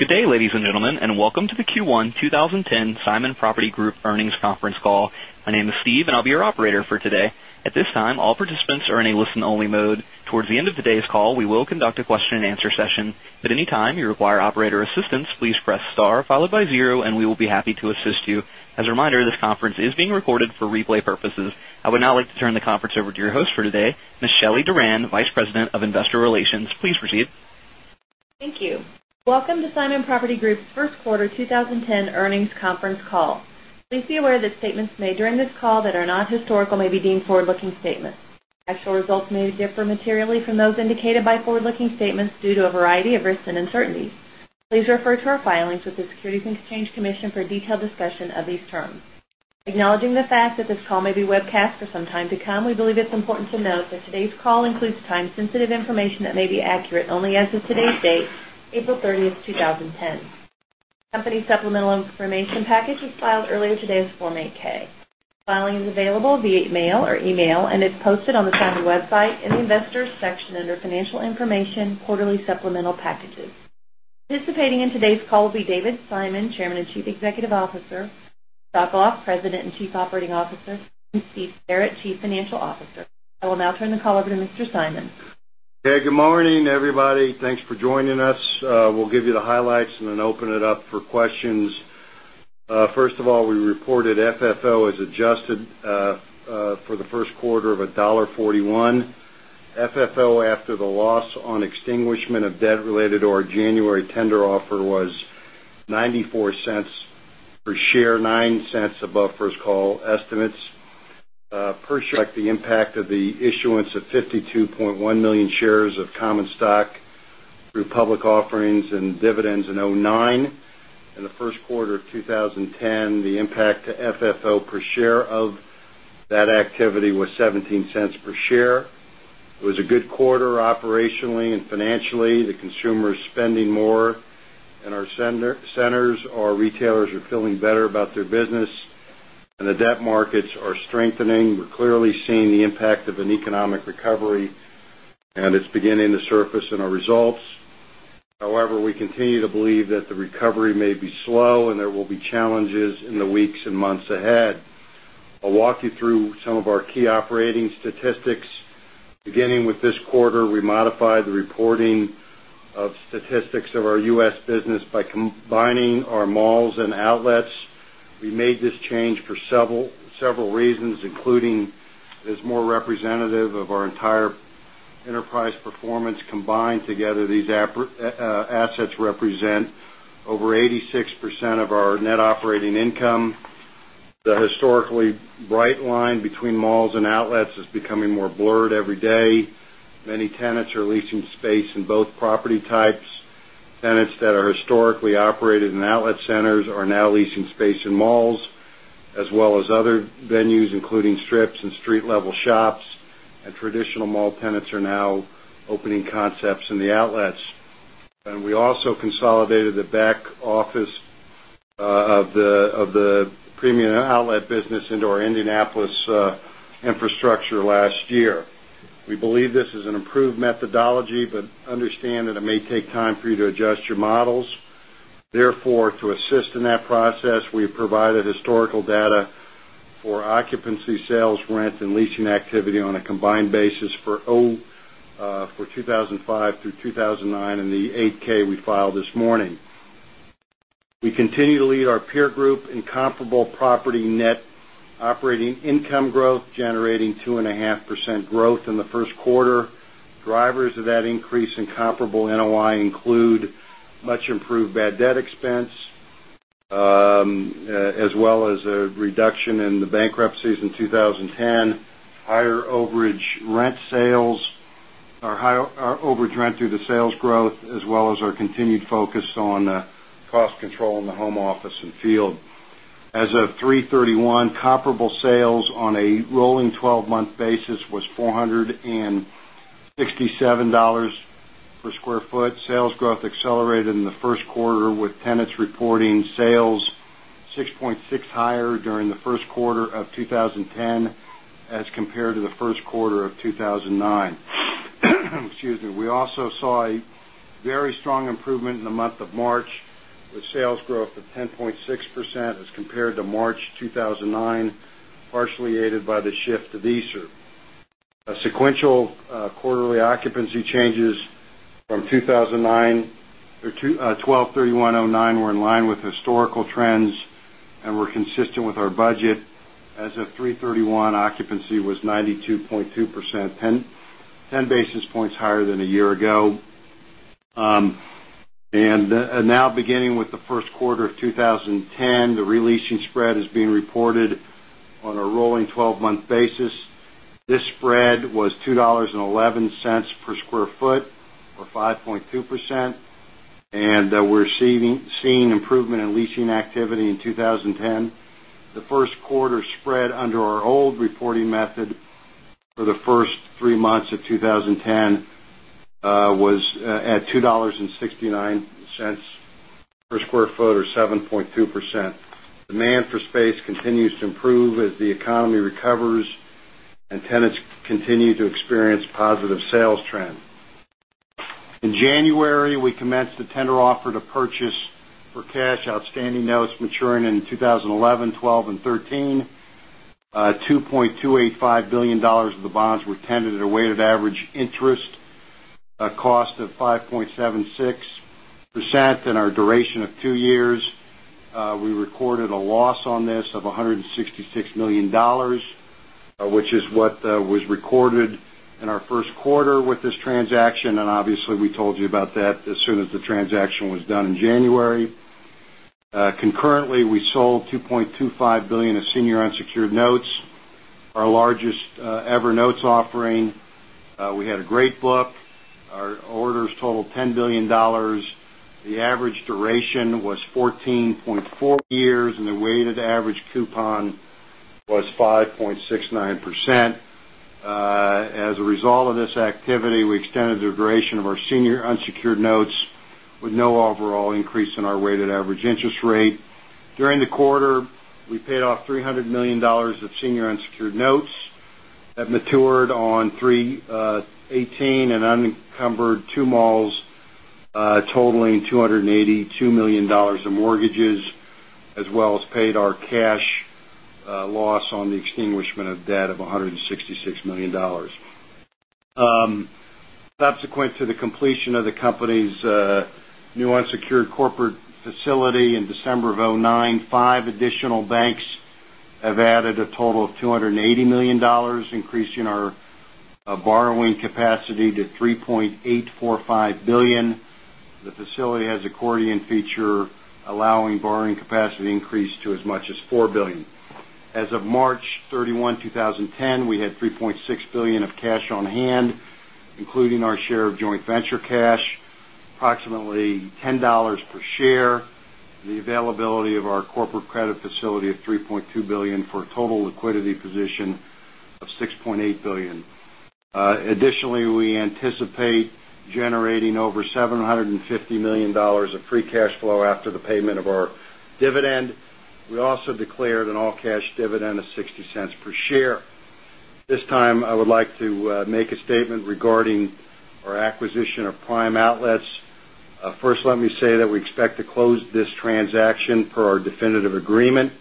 Good day, ladies and gentlemen, and welcome to the Q1 2010 Simon Property Group Earnings Conference Call. My name is Steve, and I'll be your operator for today. As a reminder, this conference is being recorded for replay purposes. I would now like to turn the conference over to your host for today, Ms. Shelley Duran, Vice President of Investor Relations. Please proceed. Thank you. Welcome to Simon Property Group's Q1 2010 earnings conference call. Be aware that statements made during this call that are not historical may be deemed forward looking statements. Actual results may differ materially from those indicated by forward looking statements due to a variety of risks and uncertainties. Please refer to our filings with the Securities and Exchange Commission for a detailed discussion of these terms. Acknowledging the fact that this call may be webcast for some time to come, we believe it's important to note that today's call includes time sensitive information that may be accurate only as of today's date, April 30, 2010. The company's supplemental information package was filed earlier today as Form 8 ks. The filing is available via mail or e mail and is posted on the Saudi website in the Investors section under Financial Information, Quarterly Supplemental Packages. Participating in today's call will be David Simon, Chairman and Chief Executive Officer Sokoloff, President and Chief Operating Officer and Steve Barrett, Chief Financial Officer. I will now turn the call over to Mr. Simon. Hey, good morning, everybody. Thanks for joining us. We'll give you the highlights and then open it up for questions. First of all, we reported FFO as adjusted for the Q1 of 1 point dollars FFO after the loss on extinguishment of debt related to our January tender offer was $0.94 per share, dollars 0.09 above first call estimates. The impact of the issuance of 52,100,000 shares of common stock through public offerings and dividends in 2009. In the Q1 of 2010, the impact to FFO per share of that Our retailers are feeling better about their business and the debt markets are strengthening. We're clearly seeing the impact of an economic recovery and it's beginning to surface in our results. However, we continue to believe that the recovery may be slow and there will be challenges in the weeks and months ahead. I'll walk you through some of our key operating statistics. Beginning with this quarter, we modified the reporting of statistics of U. S. Business by combining our malls and outlets. We made this change for several reasons, including it is more representative of our entire enterprise performance combined together. These assets represent over 80 6% of our net operating income. The historically bright line between malls and outlets is becoming more blurred every day. Many tenants are leasing space in both property types. Tenants that are historically operated in outlet centers are now leasing space in malls as well as other venues including strips and street level shops and traditional mall tenants now opening concepts in the outlets. And we also consolidated the back office of the premium outlet business into our Indianapolis infrastructure last year. We believe this is an improved methodology, but but understand that it may take time for you to adjust your models. Therefore, to assist in that process, we have provided historical data for occupancy sales, rent and leasing activity on a combined basis for 2,005 through 2,009 in the 8 ks we filed this morning. We continue to lead our peer group in comparable property net operating income growth generating 2.5% growth in the Q1. Drivers of that increase in comparable NOI include much improved bad debt expense as well as a reduction in the bankruptcies in 20 rent sales or higher overage rent due to sales growth as well as our continued focus on cost control in the home office and field. As of threethirty one, comparable sales on a rolling 12 month basis was 4 $67 per square foot. Sales growth accelerated in the Q1 with tenants reporting sales 6.6 higher during the Q1 of 2010 as compared to the Q1 of 2009. We also saw a very strong improvement in the month of March with sales growth of 10.6% as compared to March 2009, partially aided by the shift to Easter. Sequential quarterly occupancy changes from 2,009 twelvethirty onetenine were in line with historical trends and were consistent with our budget. As of threethirty one occupancy was 92.2%, 10 basis points higher than a year ago. And now beginning with the Q1 of 20 10, the re leasing spread is being reported on a rolling 12 month basis. This spread was $2.11 per square foot or 5.2 percent and that we're seeing improvement in leasing activity in 20 10. $0.69 per square foot or 7.2%. Demand for space continues to improve purchase for cash outstanding notes maturing in 2011, 2012 and 2013, 2,285,000,000 dollars of the bonds were tenanted at a weighted average interest cost of 5.76 percent in our duration of 2 years. We recorded a loss on this of $166,000,000 which is what was recorded in our Q1 with this transaction and obviously we told you about that as soon as the transaction was done in January. Concurrently, we sold $2,250,000,000 of senior unsecured notes, our largest ever notes offering. We had a great book. Our orders totaled $10,000,000,000 The average duration was 14.4 years and the weighted average coupon was 5.69%. As a result of this activity, we extended the duration of our senior unsecured notes with no overall increase in our weighted average interest rate. During the quarter, we paid off $300,000,000 of senior unsecured notes that matured on three-eighteen and unencumbered 2 18 and unencumbered 2 malls totaling $282,000,000 of mortgages as well as paid our cash loss on the extinguishment of debt of $166,000,000 Subsequent to the completion of the company's new unsecured corporate facility in December of 'nine, 5 additional banks have added a total of $280,000,000 increasing our borrowing capacity to $3,845,000,000 The facility has accordion feature allowing borrowing capacity increase to as much as $4,000,000,000 As of March 31, 2010, we had $3,600,000,000 of cash on hand, including our share of joint venture cash, approximately $10 per share, the availability of our corporate credit facility of 3,200,000,000 dollars for a total liquidity position of 6,800,000,000 declared an all cash dividend of $0.60 per share. This time, I would like to make a statement regarding our acquisition of Prime Outlets. First, let me say that we expect to close this transaction per our definitive agreement.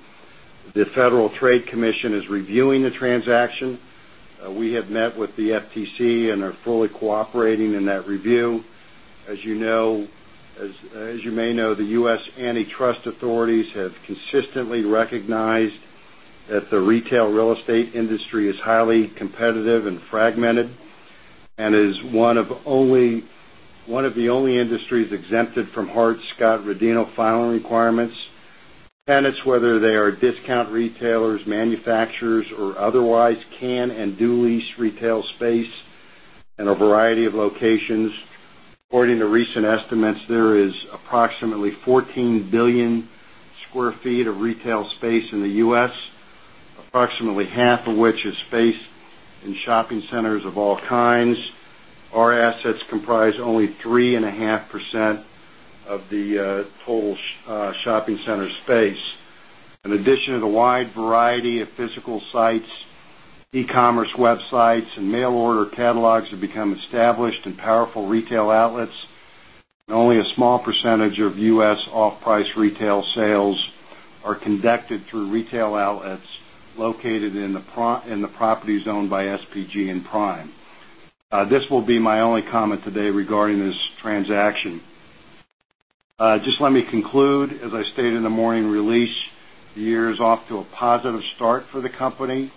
The Federal Trade Commission is reviewing the transaction. We have met with the FTC and are fully cooperating in that review. As you may know, the U. S. Antitrust authorities have consistently recognized that the retail real estate industry is highly competitive and fragmented and is one of the only industries exempted from hard Scott Rodino filing requirements. Pennants whether they are discount retailers, manufacturers or otherwise can and do lease retail space in a variety of locations. According to recent estimates, there is approximately 14,000,000,000 square feet of space in shopping centers of all kinds. Our assets comprise only 3.5 percent of the total shopping center space. Addition to the wide variety of physical sites, e commerce websites and mail order catalogs have become established in powerful retail outlets, and only a small percentage of U. S. Off price retail sales are conducted through retail outlets in the properties owned by SPG and Prime. This will be my only comment today regarding this transaction. Just let me conclude, as I stated in the morning release, the year is off to a positive start for the company.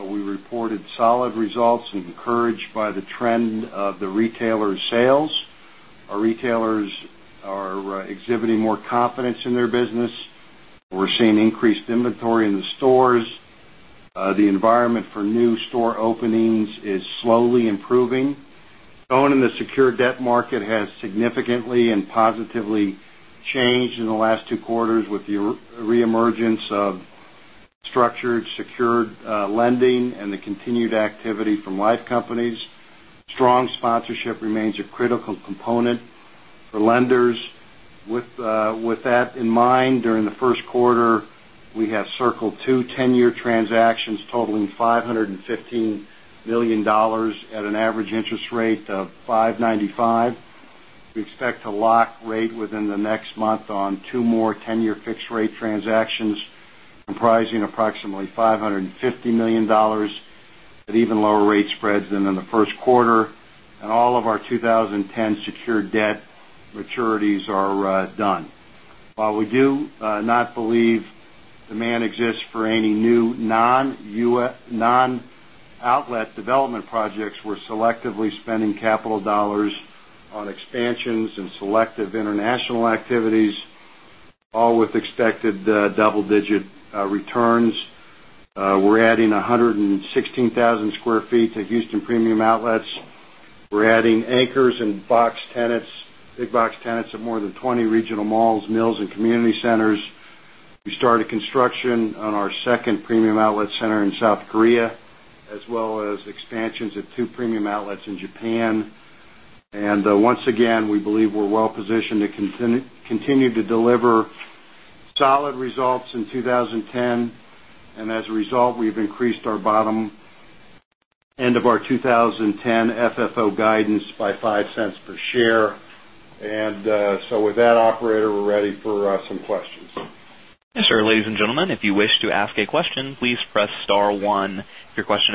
We reported solid results and encouraged by the trend of the retailer sales. Our retailers are exhibiting more Our retailers are exhibiting more confidence in their business. We're seeing increased inventory in the stores. The environment for new store openings is The environment for new store openings is slowly improving. Owning the secured debt market has significantly and positively changed in the last two quarters with the reemergence of structured secured lending and the continued activity from life companies. Strong sponsorship remains a critical component for lenders. With that in mind, during the Q1, we have circled 2 10 year transactions totaling $515,000,000 at an average interest rate of 5 $95,000,000 We expect to lock rate within the next month on 2 more 10 year fixed rate transactions, comprising approximately 5 dollars 550,000,000 at even lower rate spreads than in the Q1 and all of our 2010 secondured debt maturities are done. While development projects, we're selectively spending capital dollars on expansions and selective international activities, all with expected double digit returns. We're adding 116,000 Square Feet to Houston Premium Outlets. We're adding anchors and box tenants, big box tenants at more than 20 regional malls, mills and community centers. We started construction on our 2nd premium outlet center in South Korea as well as expansions of 2 premium outlets in Japan. And once again, we believe we're well positioned to continue to deliver solid results in 2010. And as a result, we've increased our bottom end of our 20 10 FFO guidance by $0.05 per share. And so with that, operator, we're ready for some questions. And your first question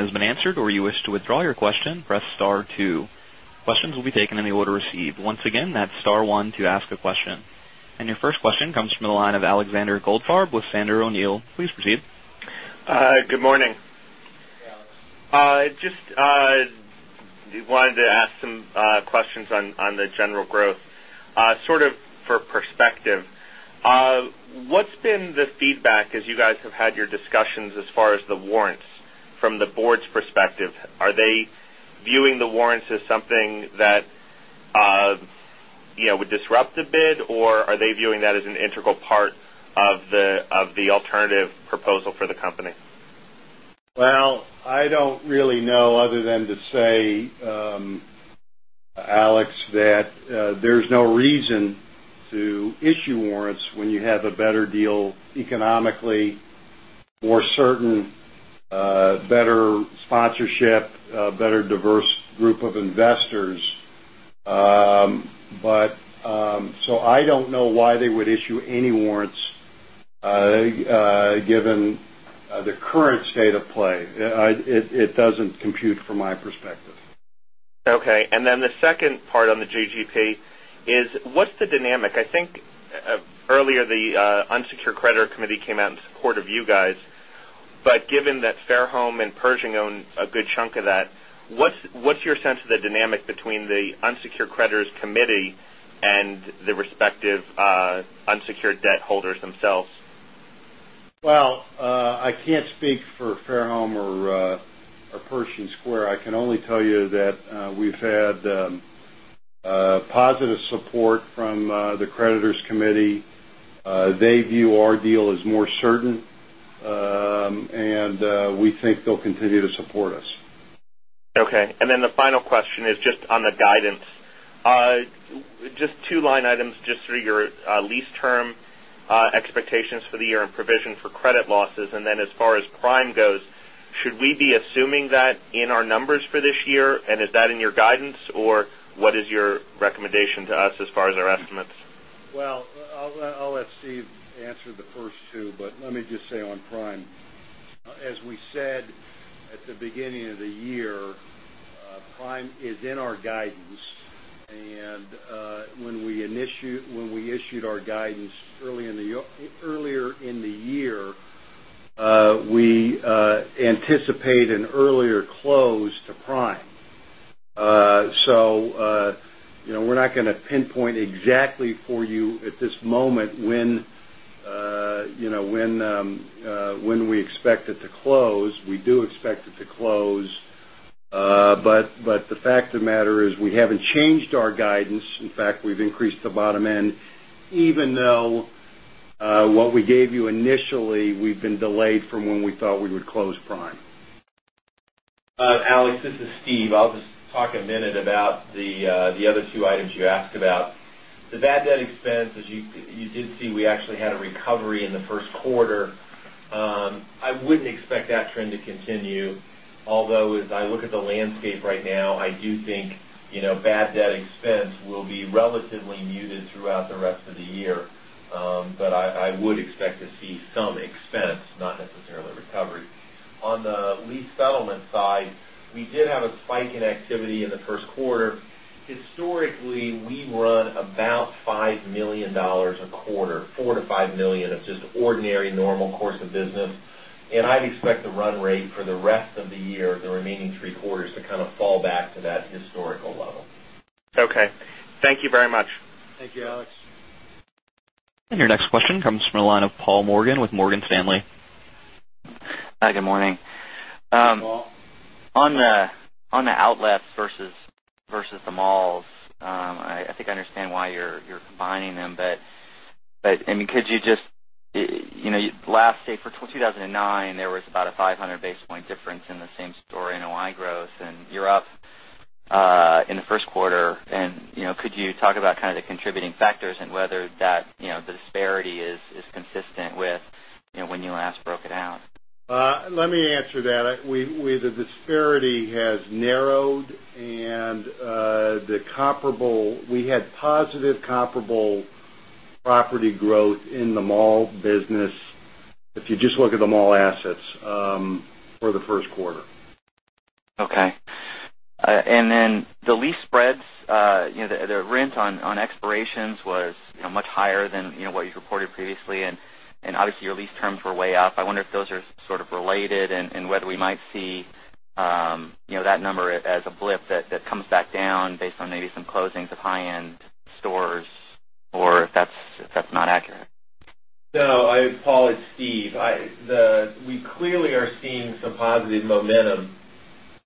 comes from the line of Alexander And your first question comes from the line of Alexander Goldfarb with Sandler O'Neill. Please proceed. Good morning. Just wanted to ask some questions on the general growth, sort of for perspective. What's been the feedback as you guys have had your discussions as far as the warrants from the Board's perspective? Are they viewing the warrants as something that would disrupt the bid or are they viewing that as an integral part of the alternative proposal for the company? Well, I don't really know other than to say, Alex, that there's no reason to issue warrants when you have a better deal economically, more certain, better sponsorship, better diverse group of investors. But so I don't know why they would issue any warrants given the current state of play. It doesn't compute from my perspective. Okay. And then the second part on the JGP is what's the dynamic? I think earlier the unsecured creditor committee came out in support of you guys, but given that Fairholme and Pershing owned a good chunk of that, what's your sense of the dynamic between the unsecured creditors committee and the respective unsecured debt holders themselves? Well, I can't speak for Fairholme or Pershing Square. I can only tell you that we've had positive support from the creditors committee. They view our deal as more certain and we think they'll continue to support us. Okay. And then the final question is just on the guidance. Just two line items just through your lease term expectations for the year and expectations for the year and provision for credit losses. And then as far as prime goes, should we be assuming that in our numbers for this year and is that in your guidance or what is your recommendation to us as far as our estimates? Well, I'll let Steve answer the first two, but let me just say on Prime. As we said at the beginning of the year, Prime is in our guidance. And when we issued our guidance earlier in the year, we anticipate an earlier close to Prime. So we're not going to pinpoint exactly for you at this moment when we expect it to close. We do expect it to close. But the fact of the matter is we haven't changed our guidance. In fact, we've increased the bottom end even though what we gave you initially, we've been delayed from when we thought we would close prime. Alex, this is Steve. I'll just talk a minute about the other two items you asked about. The bad debt expense, as you did see, we actually had a recovery in the Q1. I wouldn't expect that trend to continue. Although, as I look at the landscape right now, I do think bad debt expense will be relatively muted throughout the rest of the year. But I would expect to see some expense, not necessarily recovery. On the lease settlement side, we did have a spike in activity in the Q1. Historically, we run about $5,000,000 a quarter, dollars 4,000,000 to $5,000,000 of just ordinary normal course of business. And I'd And And your next question comes from the line of Paul Morgan with Morgan Stanley. Hi, good morning. Hi, Paul. On the outlets versus the malls, I think I understand why you're combining them, but I mean could you just last say for 2,009 there was about a 500 basis point difference in the same store NOI growth and you're up in the first quarter. And could you talk about kind of the contributing factors and whether that disparity is consistent with when you last broke it out? Let me answer that. The disparity has narrowed and the comparable we had positive comparable property growth in the mall business, if you just look at the mall assets for the Q1. Okay. And then the lease spreads, the rent on expirations was much higher than what you reported previously. And obviously, your lease terms were way up. I wonder if those are sort of related and whether we might see that number as a blip that comes back down based on maybe some closings of high end stores or if that's not accurate? No. Paul, it's Steve. We clearly are seeing some positive momentum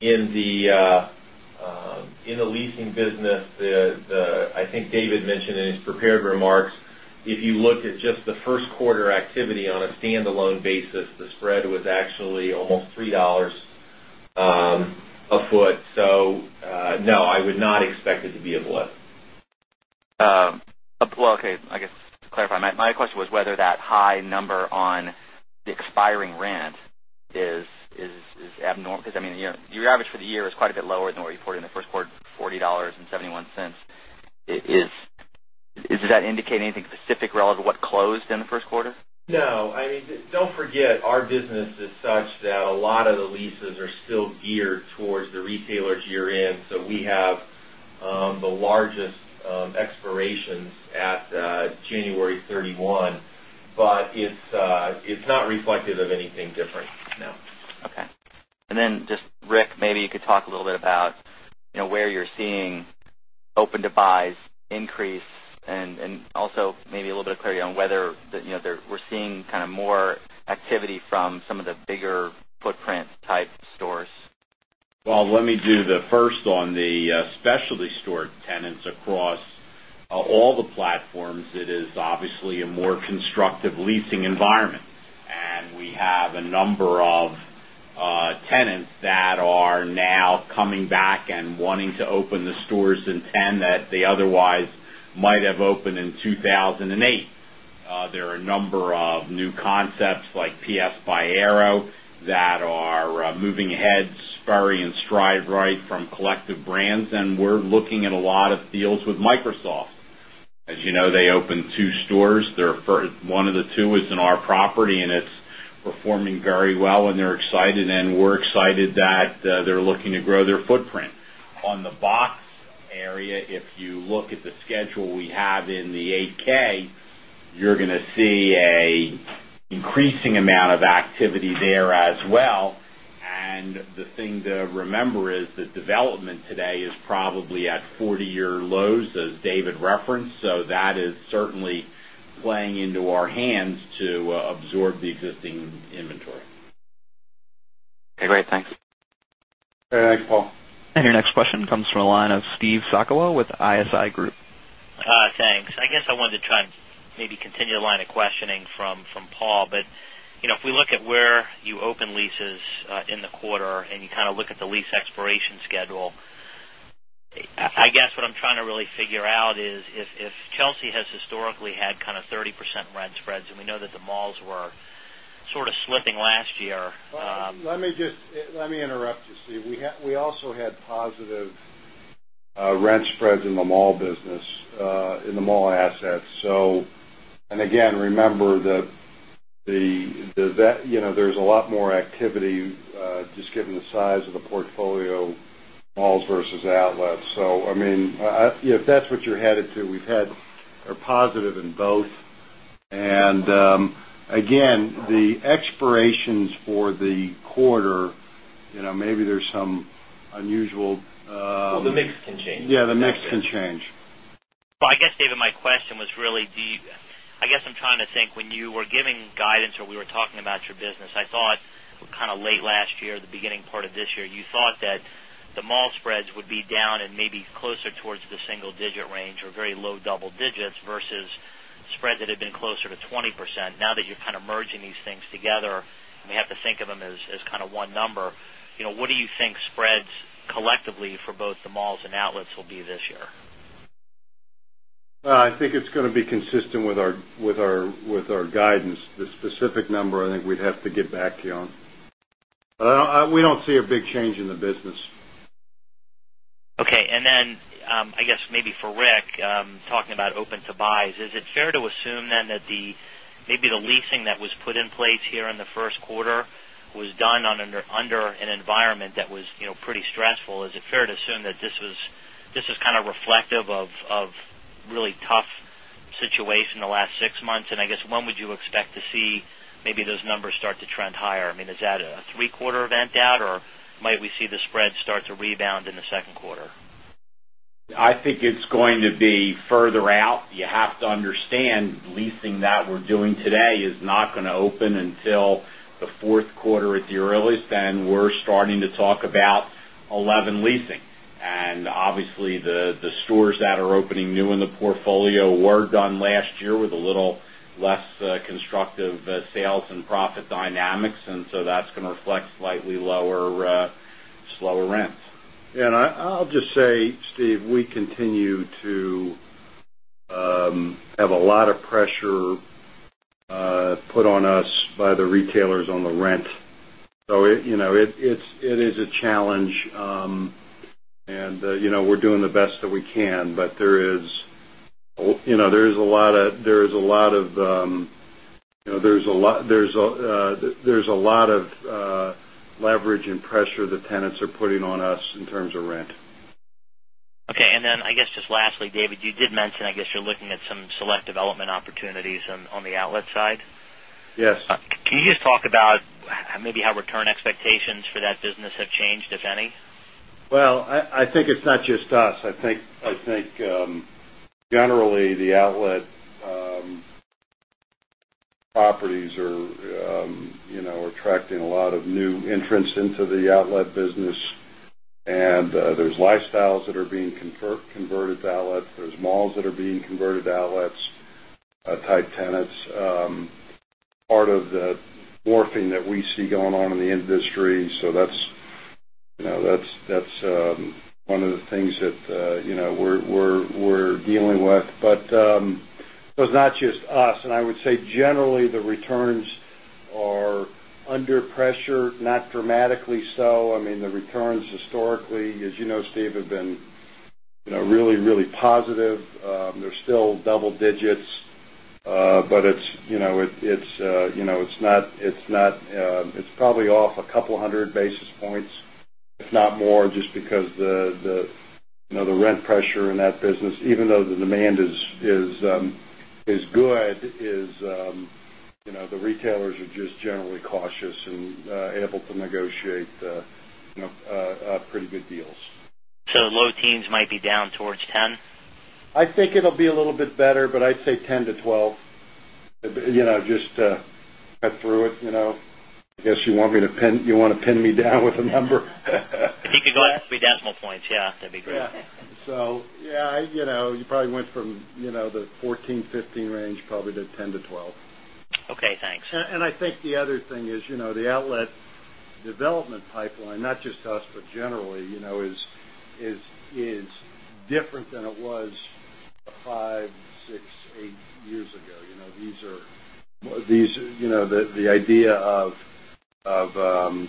in the leasing business. I think David mentioned in his prepared remarks, if you look at just the first quarter activity on a standalone basis, the spread was actually almost $3 a foot. So, no, I would not expect it to be a blip. Okay. I guess to clarify, my question was whether that high number on the expiring rent is abnormal because I mean your average for the year is quite a bit lower than what you reported in the Q1 40 point $7.1 Is that indicate anything specific relative to what closed in the Q1? No. I mean, don't forget, our business is such that a lot of the leases are still geared towards the retailers year end. So we have the largest expirations at January 31, but it's not reflective of anything different. Okay. And then just Rick, maybe you could talk a little bit about where you're seeing open to buys increase and also maybe a little bit of clarity on whether we're seeing kind of more activity from some of the bigger footprint type stores? Well, let me do the first on the specialty store tenants across all the platforms. It is obviously a more constructive leasing environment. And we have a number of tenants that are now coming back and wanting to open the stores in 10 that they otherwise might have opened in 2,008. There are a number of new concepts like PS by PS by excited that they're looking to grow their footprint. On the box area, if you look at the schedule we have in the ks, you're going to see an increasing amount of activity there as well. And the thing to remember is the development today is probably at 40 year lows, as David referenced. So that is certainly playing into our hands to absorb the existing inventory. Okay, great. Thanks. Thanks, Paul. And your next question comes from the line of Steve Sakowo with ISI Group. Thanks. I guess I wanted to try and maybe continue I guess what I guess what I'm trying to really figure out is if Chelsea has historically had kind of 30% rent spreads and we know that the malls were sort of slipping last year. Let me just let me interrupt you, Steve. We also had positive rent spreads in the mall business in the mall assets. So and again remember that there's a lot more activity just given the size of the portfolio, malls versus outlets. So I mean, if that's what you're headed to, we've had a positive in both. And again, the expirations for the quarter, maybe there's some unusual think when you were giving guidance or we were talking about your business, I thought kind of late last year, the beginning part of this year, you thought that the mall spreads would be down and maybe closer towards the single digit range or very low double digits versus spreads that have been closer to 20%. Now that you're kind of merging these things together, we have to think of them as kind of one number. What do you think spreads collectively for both the malls and outlets will be this year? I think it's going to be consistent with our guidance. The specific number I think we'd have to get back to you on. We don't see a big change in the business. Okay. And then, I guess maybe for Rick talking about open to buys. Is it fair to assume then that the maybe the leasing that was put in place here in the Q1 was done under an environment that was pretty stressful? Is it fair to assume that this was kind of reflect of really tough situation in the last 6 months? And I guess, when would you expect to see maybe those numbers start to trend higher? I mean, is that a quarter event out? Or might we see the spread start to rebound in the Q2? I think it's going to be further out. You have to understand leasing that we're doing today is not going to open until the Q4 at the earliest and we're starting to talk about 11 Leasing. And obviously, the stores that are opening new in the portfolio were done last year with a little less constructive sales and profit dynamics. And so that's going to reflect slightly lower slower rents. And I'll just say, Steve, we continue to have a lot of pressure put on us by the retailers on the rent. So it is a challenge and we're doing the best that we can, but there is a lot of leverage and pressure the tenants are putting on us in terms of rent. Okay. And then I guess just lastly, David, you did mention, I guess you're looking at some select development opportunities on the outlet side. Yes. Can you just talk about maybe how return expectations for that business have changed, if any? Well, I think it's not just us. I think generally the outlet properties are attracting a lot of new entrants into the outlet business and there's lifestyles that are being converted to outlet. There's malls that are being converted to outlets type tenants, part of the warping that we see going on in the industry. So that's one of the things that we're dealing with. But it was not just us. And I would say generally the returns are under pressure, not dramatically so. I mean the returns historically as you know Steve have been really, really positive. They're still double digits, but it's not it's probably off a couple of 100 basis points, if not more just because the rent pressure in that business even though the demand is good is the retailers are just generally cautious and able to negotiate pretty good deals. So low teens might be down towards 10? I think it will be a little bit better, but I'd say 10 to 12 just cut through it. I guess you want me to pin you want to pin me down with a number? If you could go out 3 decimal points, yes, that'd be great. Yes. So yes, you probably went from the 14%, 15% range probably to 10% to 12%. Okay. Thanks. And I think the other thing is the outlet development pipeline, not just us, but generally is different than it was 5, 6, 8 years ago. These are these the idea of being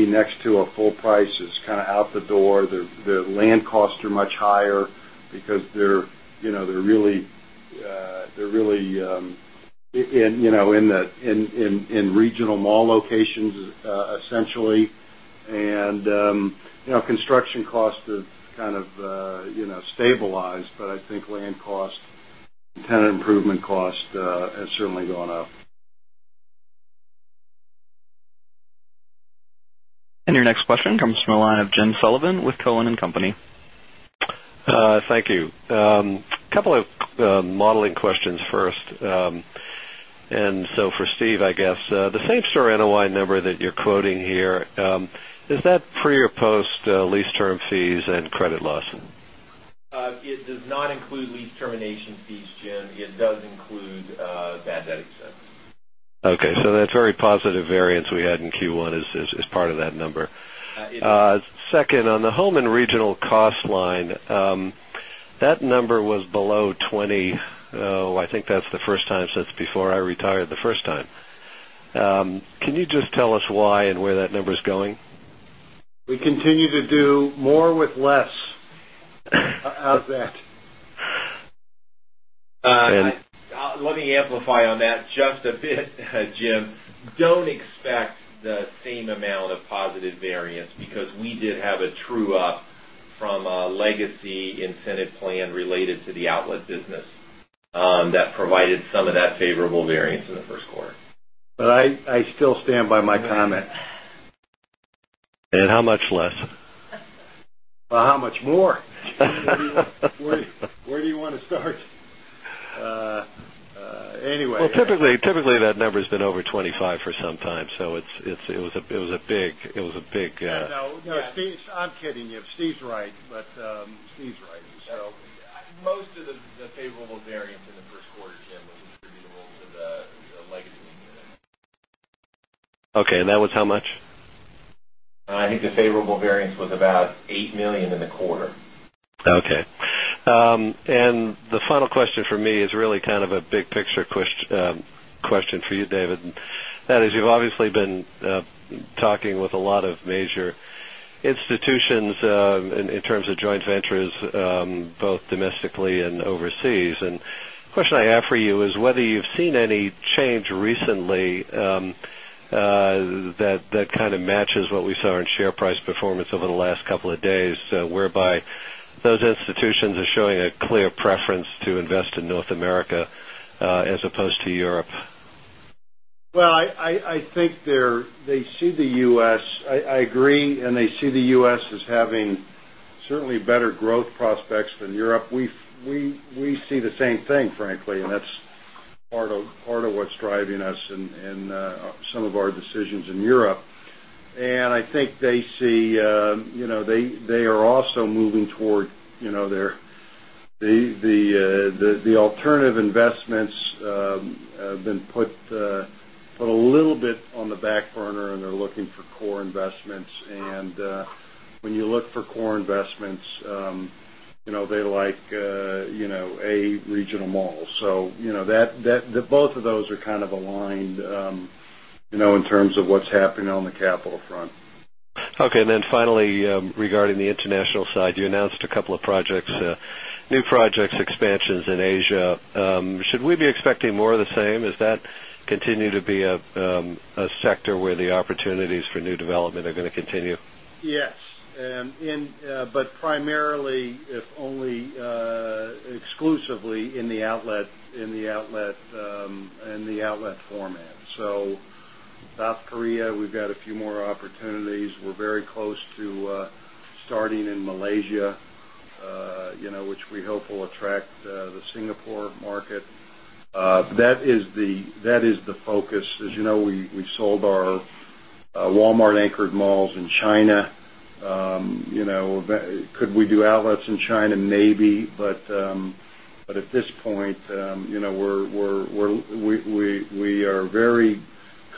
next to a full price is kind of out the door. The land costs are much higher, because they're really in regional mall locations essentially and construction costs have kind of stabilized, but I think land cost, tenant improvement cost has certainly gone up. And your next question comes from the line of Jim Sullivan with Cowen and Company. Thank you. A couple of modeling questions first. And so for Steve, I guess, the same store NOI number that you're does include bad debt expense. Okay. So, It does include bad debt expense. Okay. So that's very positive variance we had in Q1 as part of that number. 2nd, on the home and regional cost line, that number was below 20%. I think that's the first time since before retired the first time. Can you just tell us why and where that number is going? We continue to do more with less. How that. Let me amplify on that just a bit, Jim. Don't expect the same amount of positive variance because we did have a true up from a legacy incentive plan related to the outlet business that provided some of that favorable variance in the Q1. But I still stand by my comment. And how much less? How much more? Where do you want to start? Anyway Well, typically that number has been over 25 for some time. So it was a big No, Steve, I'm kidding you. Steve's right, but Steve's right. Most of the favorable variance in the Q1, Jim, was was attributable to the legacy unit. Okay. And that was how much? I think the favorable variance was about $8,000,000 in the quarter. Okay. And the final question for me is really kind of a big picture question for you, David. That is you've obviously been talking with a lot of major institutions in terms of joint ventures, both domestically and overseas. And question I have for you is whether you've seen any change recently that kind of matches what we saw in share price performance over the last couple of days whereby those institutions are showing a clear preference to invest in North America as opposed to Europe? Well, I think they see the U. S. I agree and they see the U. S. As having certainly better growth prospects than Europe. We see the same thing, frankly, and part of what's driving us in some of our decisions in Europe. And I think they see they are also moving toward their the moving toward the alternative investments have been put a little bit on the back burner and they're looking for core investments. And when you look for core investments, they like a regional mall. So that both of those are kind of aligned in terms of what's happening on the capital front. Okay. And then finally, regarding the international side, you announced a couple of projects, new projects expansions in Asia. Should we be expecting more of the same? Is that continue to be a sector where the opportunities for new development Is that continue to be a sector where the opportunities for new development are going to continue? Yes. But primarily, if only exclusively in the outlet format. So South Korea, we've got a few more opportunities. We're very close to starting in Malaysia, which we hope will attract the Singapore market. That is the focus. As you know, we sold our Walmart anchored malls in China. Could we do outlets in China? Maybe. But at this point, we are very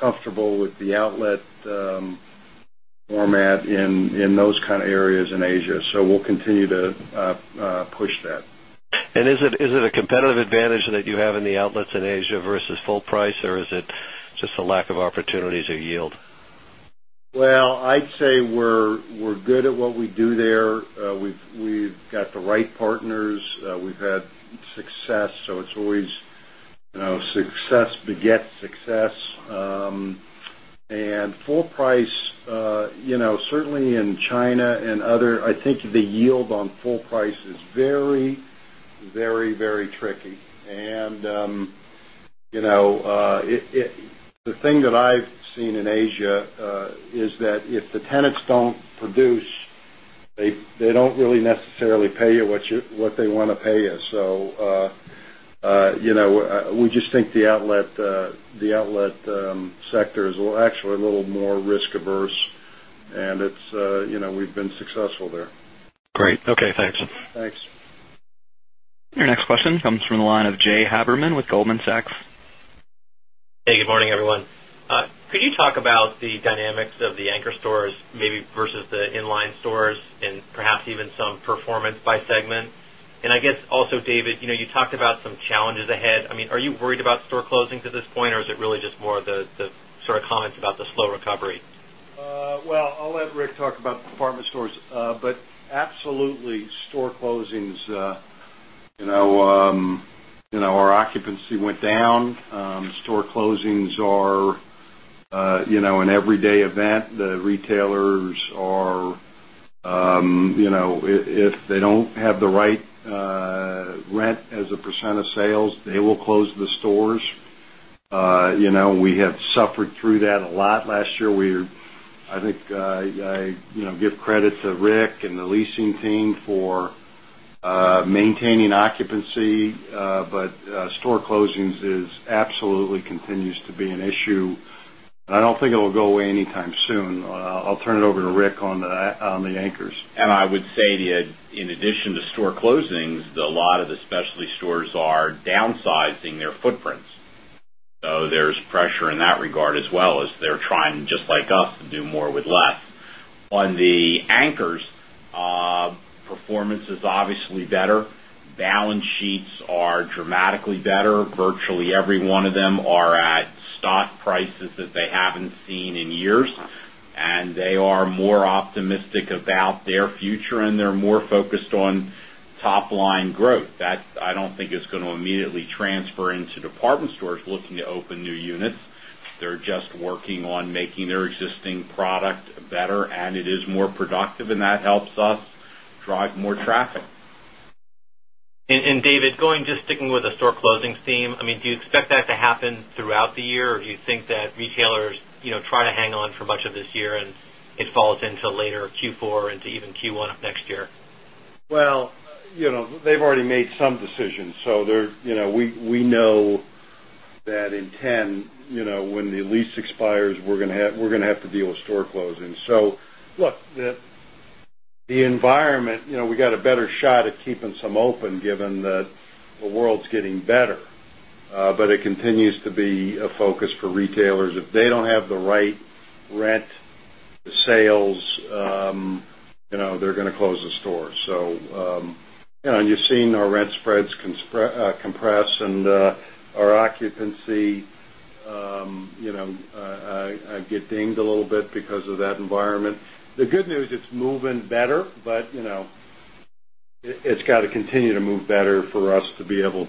comfortable with the outlet format in those kind of areas in Asia. So, we'll continue to push that. And is it a competitive advantage that you have in the outlets in versus full price or is it just a lack of opportunities or yield? Well, I'd say we're good at what we do there. We've got the right partners. We've had success. So it's always success begets success. And full price, certainly in China and other, I think the yield on full price is very, very, very tricky. And the thing that I've seen in Asia is that if the tenants don't produce, they don't really necessarily pay you what they want to pay us. So, we just think the outlet sector is actually a little more risk averse and it's morning, everyone Could you talk about the dynamics of the anchor stores maybe versus the inline stores and perhaps even some performance by segment? And I guess also David, you talked about some challenges ahead. I mean, are you worried about store closings at this point or is it really just more of the sort of comments about the slow recovery? Well, I'll let Rick talk about department stores, but absolutely store closings, our occupancy went down, store closings are an everyday event. The retailers are if they don't have the right rent as a percent of sales, they will close the stores. We have suffered through that a lot last year. I think I give credit to Rick and the leasing team for maintaining occupancy, but store closings absolutely continues to be an issue. And I don't think it will go away anytime soon. I'll turn it over to Rick on the anchors. I would say to you, in addition to store closings, a lot of the specialty stores are downsizing their footprints. So there's pressure in that regard as well as they're trying just like us to do more with less. On the anchors, performance is obviously better. Balance sheets are dramatically better. Virtually every one of them are at stock prices that they haven't seen in years, and they are more optimistic about their future and they're more focused on top line growth. That I don't think is going to immediately transfer into department stores looking to open new units. They're just working on making their existing product better and it is more productive and that helps us drive more traffic. And David, going just sticking with the store closings theme, I mean, do you and to even Q1 of next year? Well, you know, Q4 into even Q1 of next year? Well, they've already made some decisions. So, we know that in 10, when the lease expires, we're going to have to deal with store closings. So, look, the environment, we got a better shot at keeping some open given that the world's getting better, but it continues to be a focus for retailers. If they don't have the right rent sales, they're going to close the store. So, you've seen our rent spreads compress and our occupancy get dinged a little bit because of that environment. The good news, it's moving better, but it's got to continue to move better for us to be able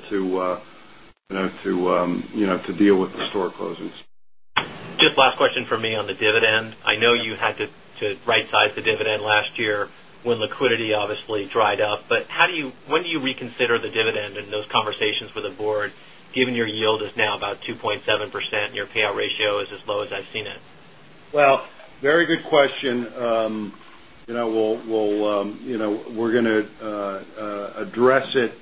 to deal with the store closings. Just last question for me on the dividend. I know you had to right size the dividend last year when liquidity obviously dried up. But how do you when do you reconsider the dividend in those conversations with the Board, given your yield is now about 2.7% and your payout ratio is as low as I've seen it? Well, very good question. We're going to address it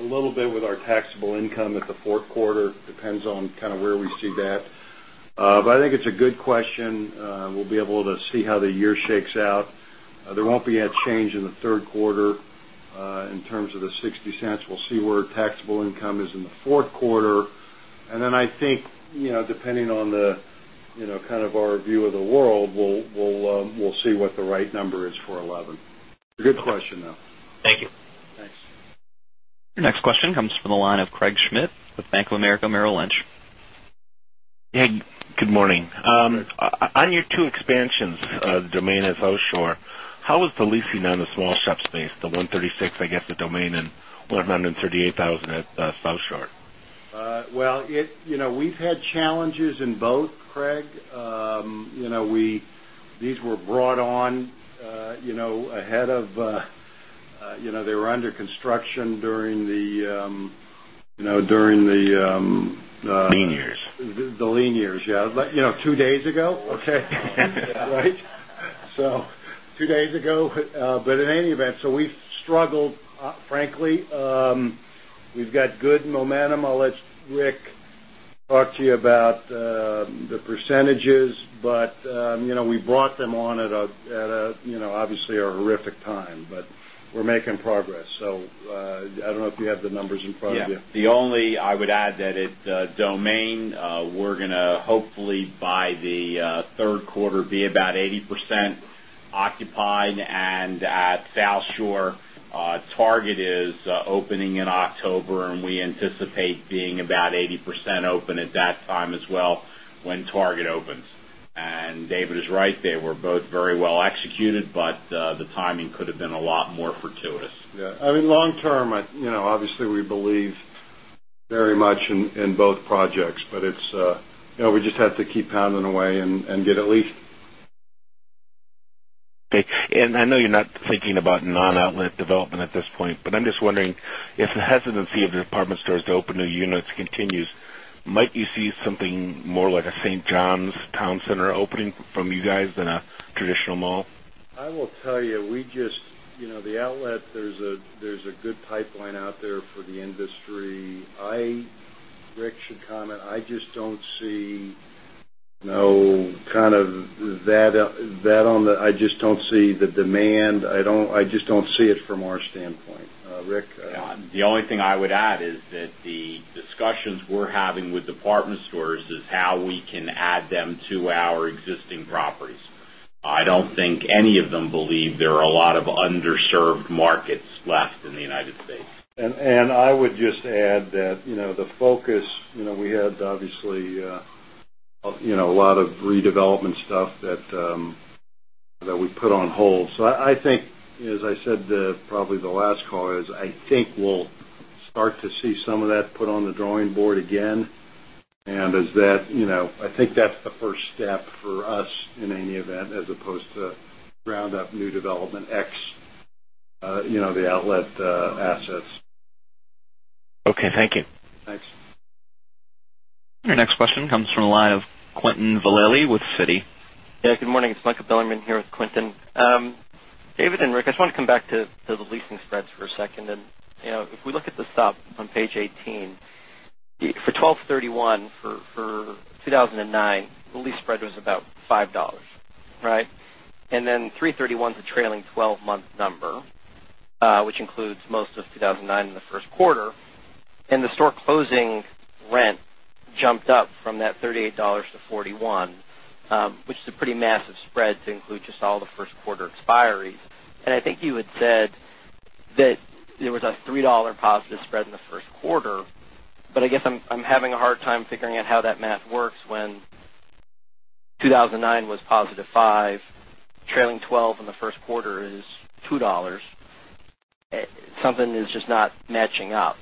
a little bit with our taxable income at the 4th quarter, depends on kind of where we see that. But I think it's a good question. We'll be able to see how the year shakes out. There won't be a change in the Q3 in terms of the $0.60 We'll see where taxable income is in the Q4. And then I think depending on the kind of our view of the world, we'll see what the right number is for 11%. Good question though. Thank you. Thanks. Your next question comes from the line of Craig Schmidt with Bank of America Merrill Lynch. Hey, good morning. On your two expansions, the domain of Oshore, how was the leasing on the 136, I guess, the Domain and 138,000 at South Shore? Well, we've had challenges in both, Craig. These were brought on ahead of construction during the Lean years. The lean years, yes, 2 days ago, Okay. So 2 days ago, but in any event, so we struggled frankly. We've got good momentum. I'll let Rick talk to you about the percentages, but we brought them on at obviously a horrific time, but we're making progress. So I don't know if you have the numbers in front of you. Yes. The only I would add that at Domain, we're going to hopefully by the Q3 be about 80% occupied and at South Shore Target is opening in October and we anticipate being about 80% open at that time as well when Target opens. And David is right, they were both very well executed, but the timing could have been a lot more fortuitous. Yes. I mean long term, obviously, we believe very much in both projects, but it's we just had to keep pounding away and get at least. Okay. And I know you're not thinking about non outlet development at this point, but I'm just wondering if the hesitancy of the department stores to open new units continues, might you see something more like a St. John's Town Center opening from guys than a traditional mall? I will tell you, we just the outlet, there's a good pipeline out there for the industry. I Rick should comment. I just don't see no kind of that on the I just don't see the demand. I just don't see it from our standpoint. Rick? Yes. The only thing I would add is that the discussions we're having with department stores is how we can add them to our existing properties. I don't think any of them believe there are a lot of underserved markets left in the United States. And I would just add that the focus we had obviously a lot of redevelopment stuff that we put on hold. So I think as I said probably the last call is, I think we'll start to see some of that put on the drawing board again. And as that I think that's the first step for us in any event as opposed to round up new development ex the outlet assets. Okay. Thank you. Thanks. Your next question comes from the line of Quentin Valle with Citi. Yes. Good morning. It's Michael Bilerman here with Quentin. David and Rick, I just want to come back to the leasing spreads for a second. And if we look at the stop on Page 18, for twelvethirty one for 2,009, the lease spread was about $5 right? And then threethirty one is a trailing 12 month number, which includes most of 2,009 in the Q1. And the store closing rent jumped up from that $38 to $0.41 which is a pretty massive spread to include just all the 1st quarter expiries. And I think you had said that there was a $3 positive spread in the Q1. But I guess I'm having a hard time figuring out how that math works when 2,009 was positive $5 trailing 12 in the Q1 is $2 something is just not matching up?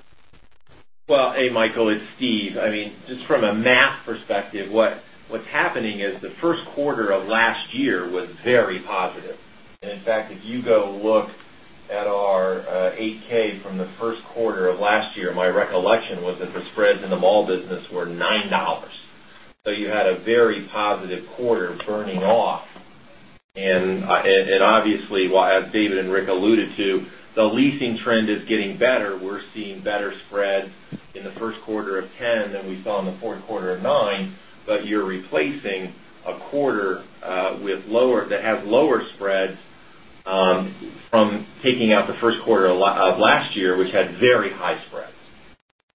Well, hey, Michael, it's Steve. I mean, just from a math perspective, what's happening is the Q1 of last year was very positive. And in fact, if you go look at our 8 ks from the Q1 of last year, my recollection was that the spreads in the mall business were $9 So you had a very positive quarter burning off. And obviously, as David and Rick alluded to, the leasing trend is getting better. We're seeing better spreads in the Q1 of 'ten than we saw in the Q4 of 'nine, but you're replacing a quarter with lower that has lower spreads from taking out the Q1 of last year, which had very high spreads.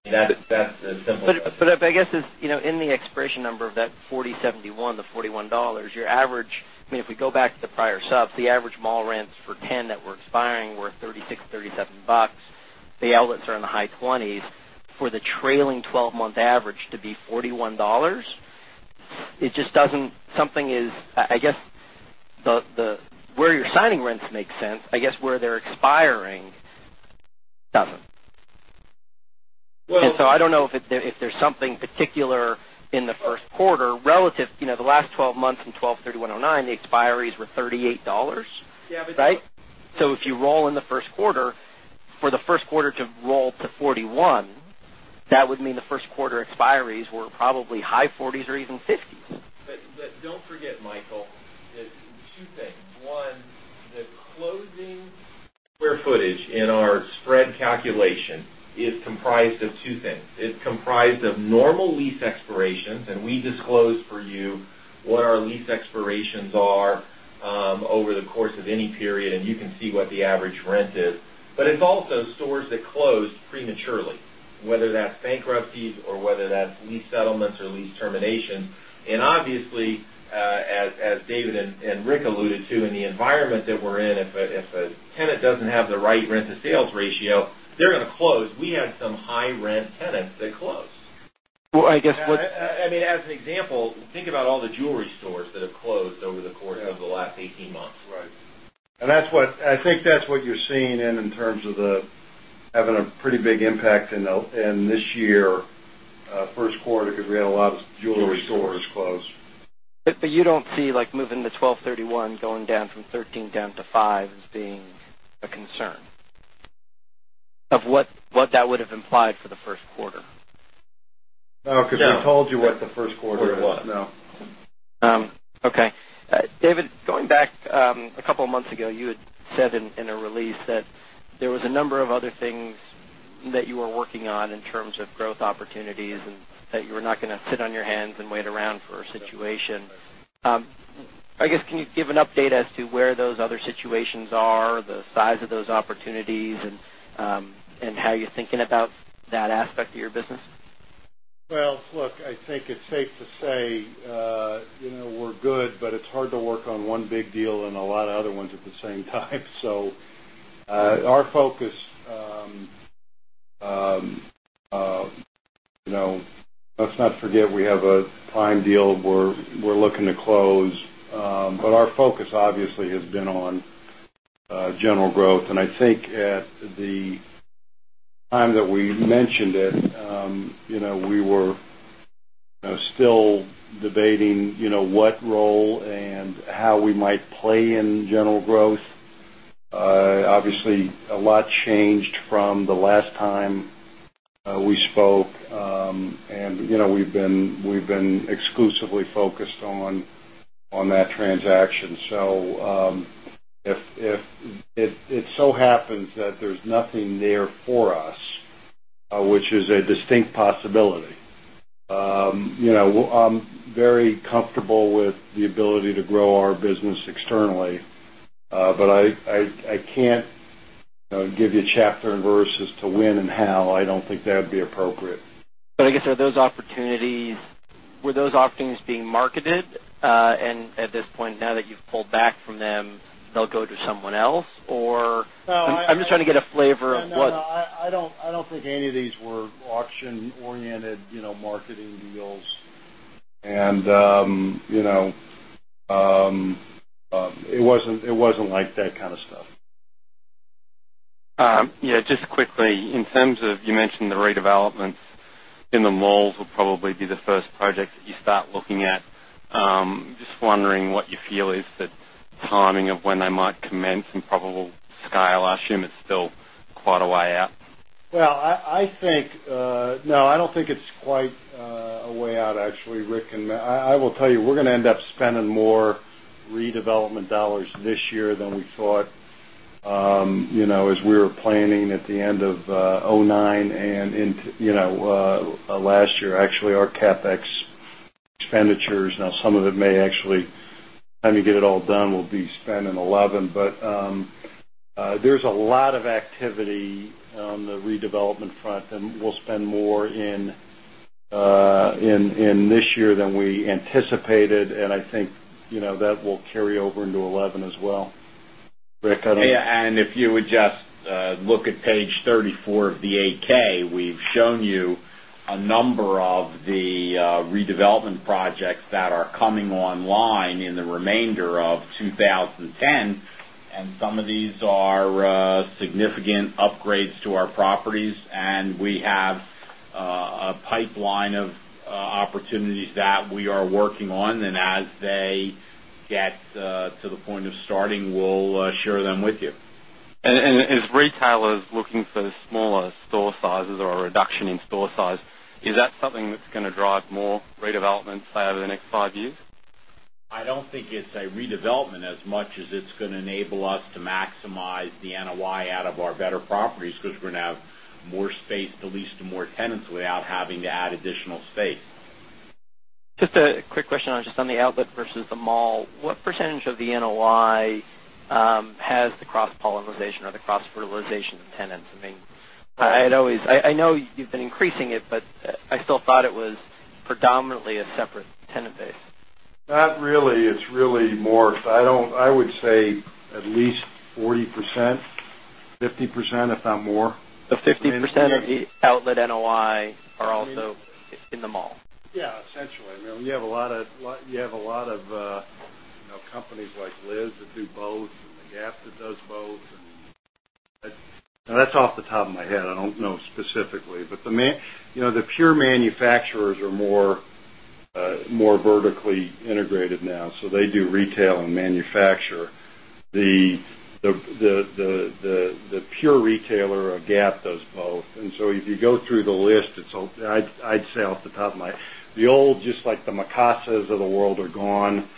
And that's a simple But I guess is in the expiration number of that $40.71 to $41 your average I mean, if we go back to the prior subs, the average mall rents for 10 that were expiring were $36, dollars 37 The outlets are in the high 20s. For the trailing 12 month average to be $41 it just doesn't something is I guess the where you're signing rents makes sense. I guess where they're expiring doesn't. And so I don't know if there's something particular in the Q1 relative the last 12 months in twelvethirty onetwonine, the expiries were $38 right? So if you roll in the Q1, for the Q1 to roll to $41, that would mean the Q1 expiries were probably high 40s or even 50s. Don't forget, Michael, is comprised of 2 things. It's comprised of normal lease expirations and we disclose for you what our lease expirations are over the course of any period and you can see what the average rent is. But it's also stores that closed prematurely, whether that's bankruptcies or whether that's environment that we're in, if a tenant doesn't have the right rent to sale, the environment that we're in, if a tenant doesn't have the right rent to sales ratio, they're going to close. We had some high rent tenants that close. Well, I guess what I mean, as an example, think about all the jewelry stores that have closed over the last 18 months. Right. And that's what I think that's what you're seeing in terms of the having a pretty big impact in this year, 1st quarter, because we had a lot of jewelry stores close. But you don't see like moving the twelvethirty one going down from 13 down to 5 as being a concern of what that would have implied for the Q1? No. Because we told you what the Q1 was. Okay. David going back a couple of months ago you had said in a release that there was a number of other things that you were working on in terms of growth opportunities and that you were not going to sit on your hands and wait around for a situation. I guess, can you give an update as to where those other situations are, the size of those opportunities and how you're thinking about that aspect of your business? Well, look, I think it's safe to say we're good, but it's hard to work on one big deal and a lot of other ones at the same time. So our focus let's not forget we have a prime deal where we're looking to close, but our focus obviously has been on general growth. And I think at the time that we mentioned it, we were still changed the last time we spoke and we've been exclusively focused on that transaction. So if it so happens that there's nothing there for us, which is a distinct possibility. I'm very comfortable with the ability to grow our business externally. But I can't give you chapter and verse as to when and how. I don't think that would be appropriate. But I guess are those opportunities were those offerings being marketed? And at this point now that you've pulled back from them, they'll go to someone else? Or I'm just trying to get a flavor of what No, I don't think any of these were auction oriented marketing deals. And And it wasn't like that kind of stuff. Yes. Just quickly, in you mentioned the redevelopments in the malls will probably be the first projects that you start looking at. Just wondering what you feel is that timing of when they might commence and probable scale, I assume, is still quite a way out? Well, I think no, I end up spending more redevelopment dollars this year than we thought. As we were planning at the end of 'nine and into last year, actually our CapEx expenditures, now some of it may actually, when you get it all done, will be spent in $11,000,000 But there's a lot of activity on the redevelopment front and we'll spend more in this year than we anticipated. And I think that will carry over into 2011 as well. Rick, I don't Yes. And if you would just look at Page 34 of the 8 ks, we've shown you a number of the redevelopment projects that are coming online in the remainder of 2010. And some of these are significant upgrades to our properties, and we have a pipeline of opportunities that we are working on and as they get to the point of starting, we'll share them with you. And as retailers looking for smaller store sizes or a reduction in store size, is that something that's going to drive more redevelopment over the next 5 years? I don't think it's a redevelopment as much as it's going to enable us to maximize the NOI out of our better properties because we're going to have more space to lease to more tenants without having to add additional space. Just a quick question on just on the outlet versus the mall. What percentage of the NOI has the cross polymerization or the cross fertilization of of tenants? I mean, I had always I know you've been increasing it, but I still thought it was predominantly a separate tenant base. Not really. It's really more. I don't I would say at least 40%, 50% if not more. So 50% of the outlet NOI are also in the mall? Yes, essentially. I mean, you have a lot of companies like Liz that do both and the Gap that does both. That's off the top of my head. I don't know specifically, but the pure manufacturers are more vertically integrated now. So they do retail and manufacture. The pure retailer of Gap does both. And so if you go through the list, I'd say off the top of my the old just like the of the world are gone.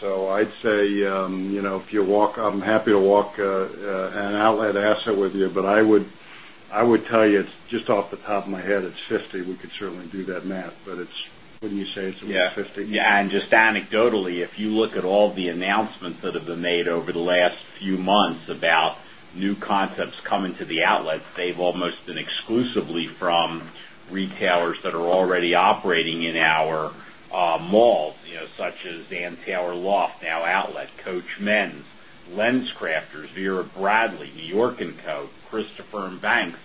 So I'd say if you walk I'm happy to walk an outlet asset with you, but I would tell you just off the top of my head, it's $50,000,000 We could certainly do that math, but it's wouldn't you say it's 50. Yes. And just anecdotally, if you look at all the announcements that have been made over the last few months about new concepts coming to the outlets, they've almost been exclusively from retailers that are already operating in our malls, such as Ann Taylor Loft, now outlet Coach Men's, LensCrafters, Vera Bradley, New York and Co. Christopher and Banks,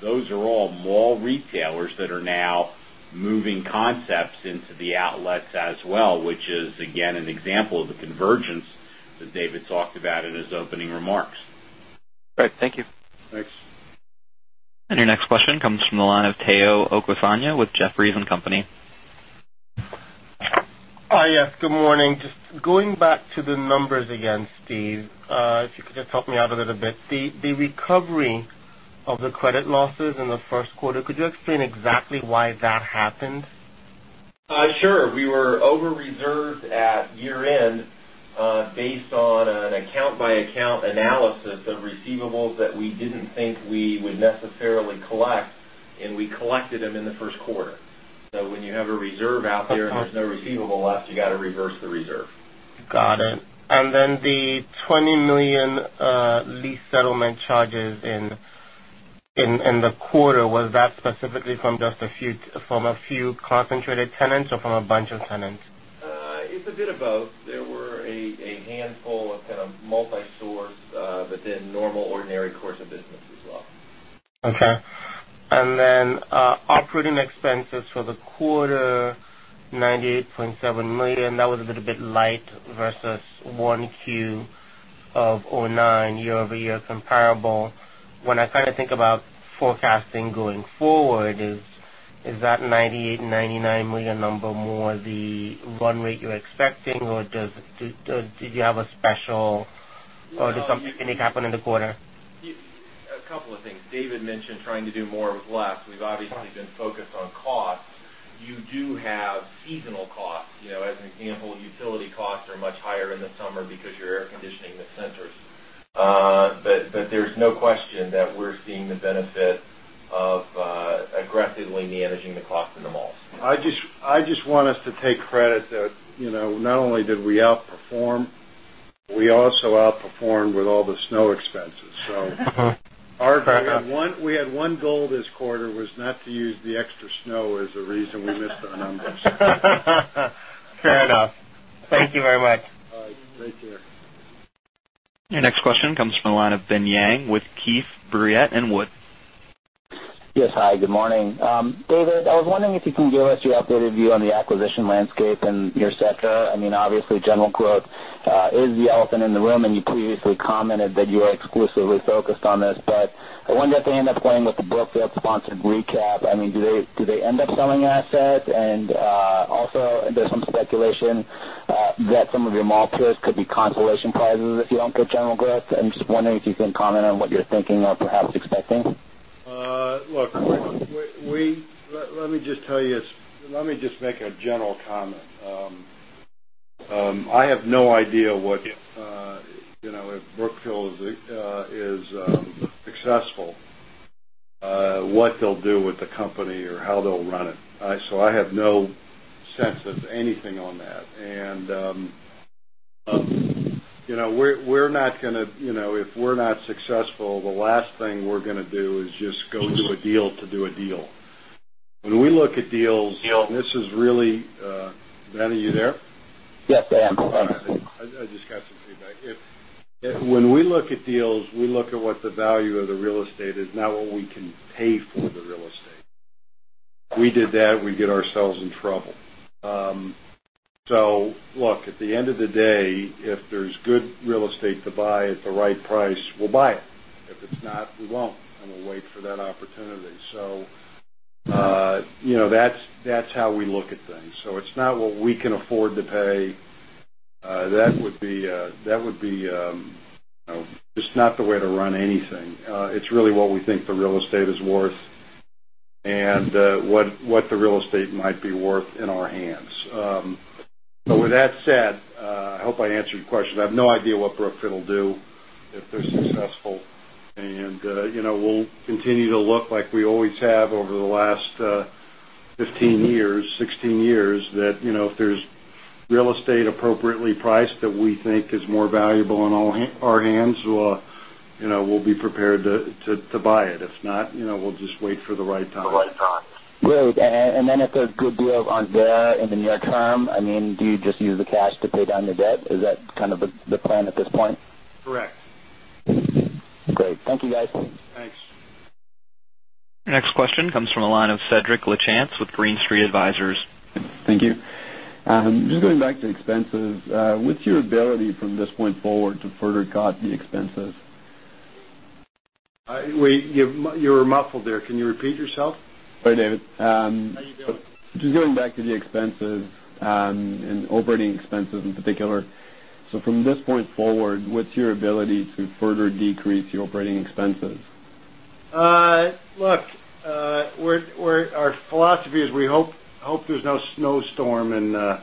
those are all mall retailers that are now moving concepts into the outlets as well, which is again an example of the convergence that David talked about in his opening remarks. Great. Thank you. Thanks. And your next question comes from the line of Tayo Okusanya with good morning. Just going back to the numbers again Steve, if you could just help me out a little bit. The recovery of the credit losses in the Q1, could you explain exactly why that happened? Sure. We were over reserved at year end based on an account by account analysis of receivables that we didn't think we would necessarily collect and we collected them in the Q1. So when you have a reserve out there and there's no receivable left, you got to reverse the reserve. Got it. And then the $20,000,000 lease settlement charges in the quarter, was that specifically from just a few concentrated tenants or from a bunch of tenants? It's a bit about. There were a handful of kind of multi source within normal ordinary course of business as well. Okay. And then operating expenses for the quarter, dollars 98,700,000 that was a little bit light versus 1Q of 2009 year over year comparable. When I kind of think about forecasting going forward, is that $98,000,000 something significant happen in the quarter? Special or did something happen in the quarter? A couple of things. David mentioned trying to do more with less. We've obviously been focused on costs. You do have seasonal costs. As an example, utility costs are much higher in the summer because you're air conditioning the centers. But there is no question that we're seeing the benefit of aggressively managing the cost in the malls. I just want us to take credit that not only did we outperform, we also outperformed with all the snow expenses. So we had one goal this quarter was not to use the extra snow as the reason we missed the numbers. Fair enough. Thank you very much. All right. Take care. Your next question comes from the line of Ben Yang with Keith, Briat and Wood. Yes. Hi. Good morning. David, I was wondering if you can give us your updated view on the acquisition landscape and etcetera. I mean, obviously, general growth is the elephant in the room and you previously commented that you are exclusively focused on this. But I wonder if they end up playing with the Brookfield sponsored recap. I mean, do they end up selling assets? And also there's some speculation that some of your molecules could be consolation prices if you don't put general growth. I'm just wondering if you can comment on what you're thinking or perhaps expecting? Look, we let me just tell you let me just make a general comment. I have no idea what if Brookfield is successful, what they'll do with the company or how they'll run it. So I have no sense of anything on that. And we're not going to if we're not successful, the last thing we're going to do is just go to a deal to do a deal. When we look at deals, this is really Ben, are you there? Yes, I am. I just got some feedback. When we look at deals, we look at what the value of the real estate is, not what we can pay for the real estate. We did that, we get ourselves in trouble. So look at the end of the day, if there's good real estate to buy at the right price, we'll buy it. If it's not, we won't and we'll wait for that opportunity. So that's how we look at things. So it's not what we can afford to pay. That would be just not the way to run anything. It's really what we think the real estate is worth and what the real estate might be worth in our hands. But with that said, I hope I answered your question. I have no idea what Brookfield will do if they're successful. 16 years that if there's real estate appropriately priced that we think is more valuable in our hands, we'll be prepared buy it. If not, we'll just wait for the right time. The right time. Great. And then if there's a good deal on there in the near term, I mean, do you just use the cash to pay down the debt? Is that kind of the plan at this point? Correct. Great. Thank you, guys. Thanks. Your next question comes from the line of Cedric Lechants with Green Street Advisors. Thank you. Just going back to expenses, what's your ability from this point forward to further cut the expenses? You're muffled there. Can you repeat yourself? Sorry, David. Just going back to the expenses and operating expenses in particular. So from this point forward, what's your ability to further decrease the operating expenses? Look, our philosophy is we hope there's no snowstorm and no,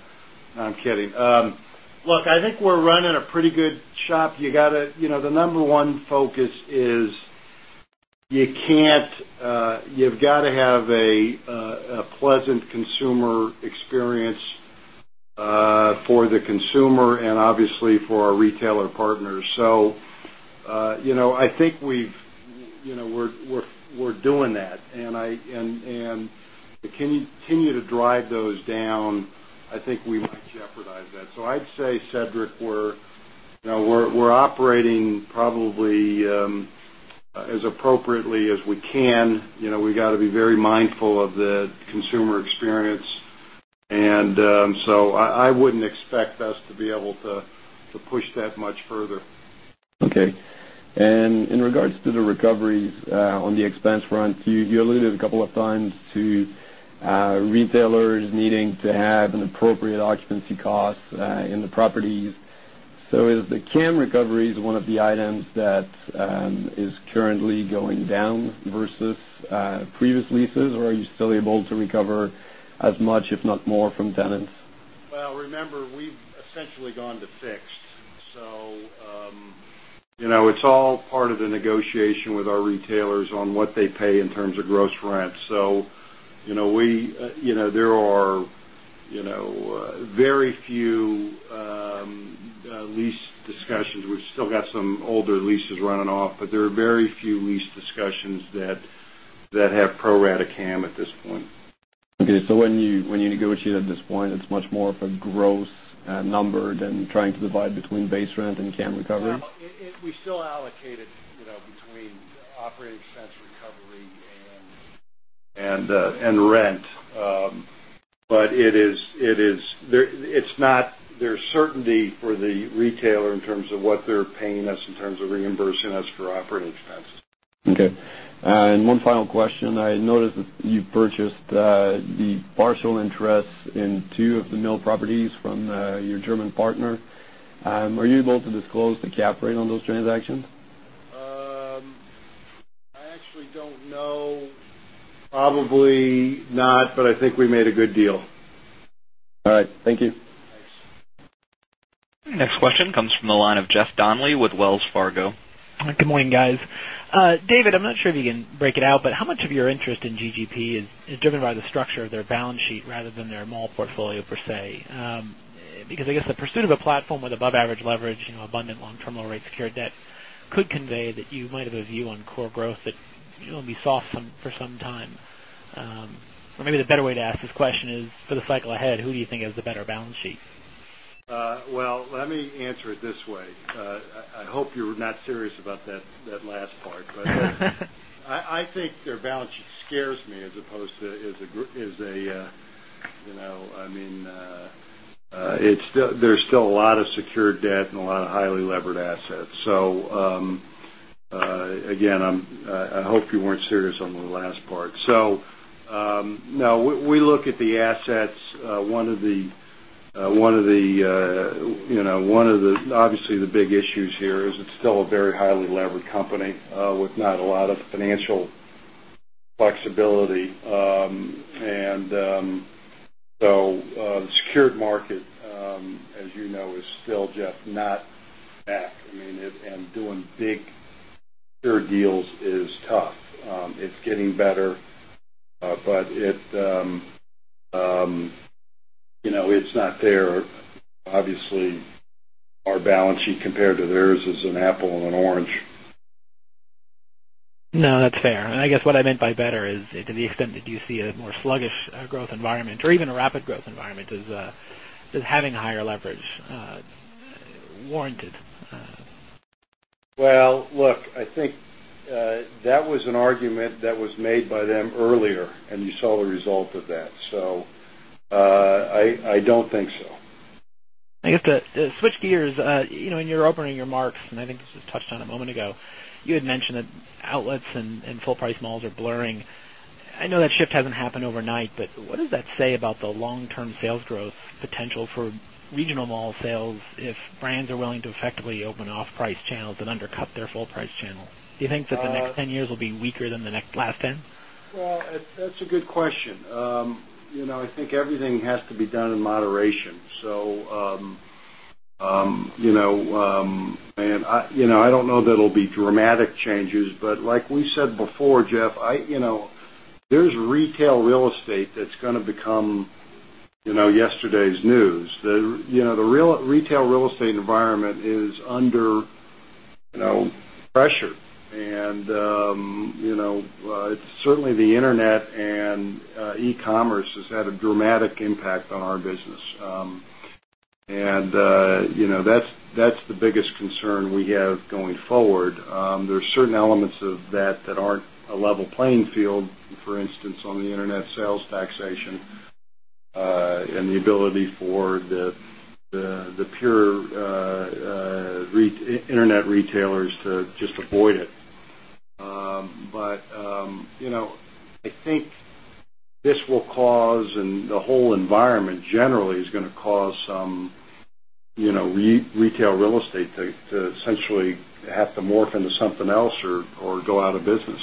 I'm kidding. Look, I think we're running a pretty good shop. You got to the number one focus is you can't you've got to have a pleasant consumer experience for the consumer and consumer and obviously for our retailer partners. So I think we've we're doing that. And to continue to drive those down, I think we might jeopardize that. So I'd say, Cedric, we're operating probably as appropriately as we can. We got to be very mindful of Okay Okay. And in regards to the recoveries on the expense front, you alluded a couple of times to retailers needing to have an appropriate occupancy costs in the properties. So is the CAM recovery is one of the items that is currently going down versus previous leases? Or are you still able to recover as much, if not more, from tenants? Well, remember, we've essentially gone to fixed. So it's all part of the negotiation with our retailers on what they pay in terms of gross rent. So, we there are very few lease discussions. We've still got some older leases running off, but there are very few lease discussions that have pro rata CAM at this point. Okay. So, when you negotiate at this point, it's much more of a gross number than trying to divide between base rent and can recovery? We still allocated between operating expense recovery and rent. But it is it's not there's certainty for the retailer in terms of what they're paying us in terms of reimbursing us for operating expenses. Okay. And one final question. I noticed that you purchased the partial interest in 2 of the mill properties from your German partner. Are you able to disclose the cap rate on those transactions? I actually don't know. Probably not, but I think we made a good deal. All right. Thank you. Next question comes from the line of Jeff Donnelly with Wells Fargo. Good morning, guys. David, I'm not sure if you can break it out, but how much of your interest in GGP is driven by the structure of their balance sheet rather than their mall portfolio per se? Because I guess the pursuit of a platform with above average leverage abundant long term loan rate secured debt could convey that you might have a view on core growth that will be soft for some time. Or maybe the better way to ask this question is for the cycle ahead, who do you think is the better balance sheet? Well, let me answer it this way. I hope you're not serious about that last part. But I think their balance sheet scares me as opposed to is a I mean, there is still a lot of secured debt and a lot of highly levered assets. So again, I hope you weren't serious on the last part. So, no, we look at the assets. One of the obviously the big issues here is it's still a very highly levered company with not a lot of financial flexibility. And so the secured market, as you know, is still Jeff not back. I mean, and doing big secured deals is tough. It's getting better, but it's not there. Obviously, our balance sheet compared to theirs is an apple and an orange. No, that's fair. And I guess what I meant by better is to the extent that you see more sluggish growth environment or even a rapid growth environment, does having higher leverage warranted? Well, look, I think that was an argument that was made by them earlier and you saw the result of that. So I don't think so. I guess to switch gears, in your opening remarks and I think you just touched on a moment ago, you had mentioned that outlets and full price malls are blurring. I know that shift hasn't happened overnight, but what does that say about the long term sales growth potential for regional mall sales if brands are willing to effectively open off price channels and undercut their full price channel? Do you think that the next 10 years will be weaker than the last 10? Well, that's a good question. I think everything has to be done in moderation. So, I don't know that it will be dramatic changes, but like we said before, Jeff, there's retail real estate that's going to become yesterday's news. The retail real estate environment is under pressure. And certainly the Internet and e commerce has had a dramatic impact on our business. And that's the biggest concern we have going forward. There are certain elements of that that aren't a level playing field for instance on the Internet sales taxation and the ability for the pure Internet retailers to just avoid it. But I think this will cause and the whole environment generally is going to cause some retail real estate to essentially have to morph into something else or go out of business.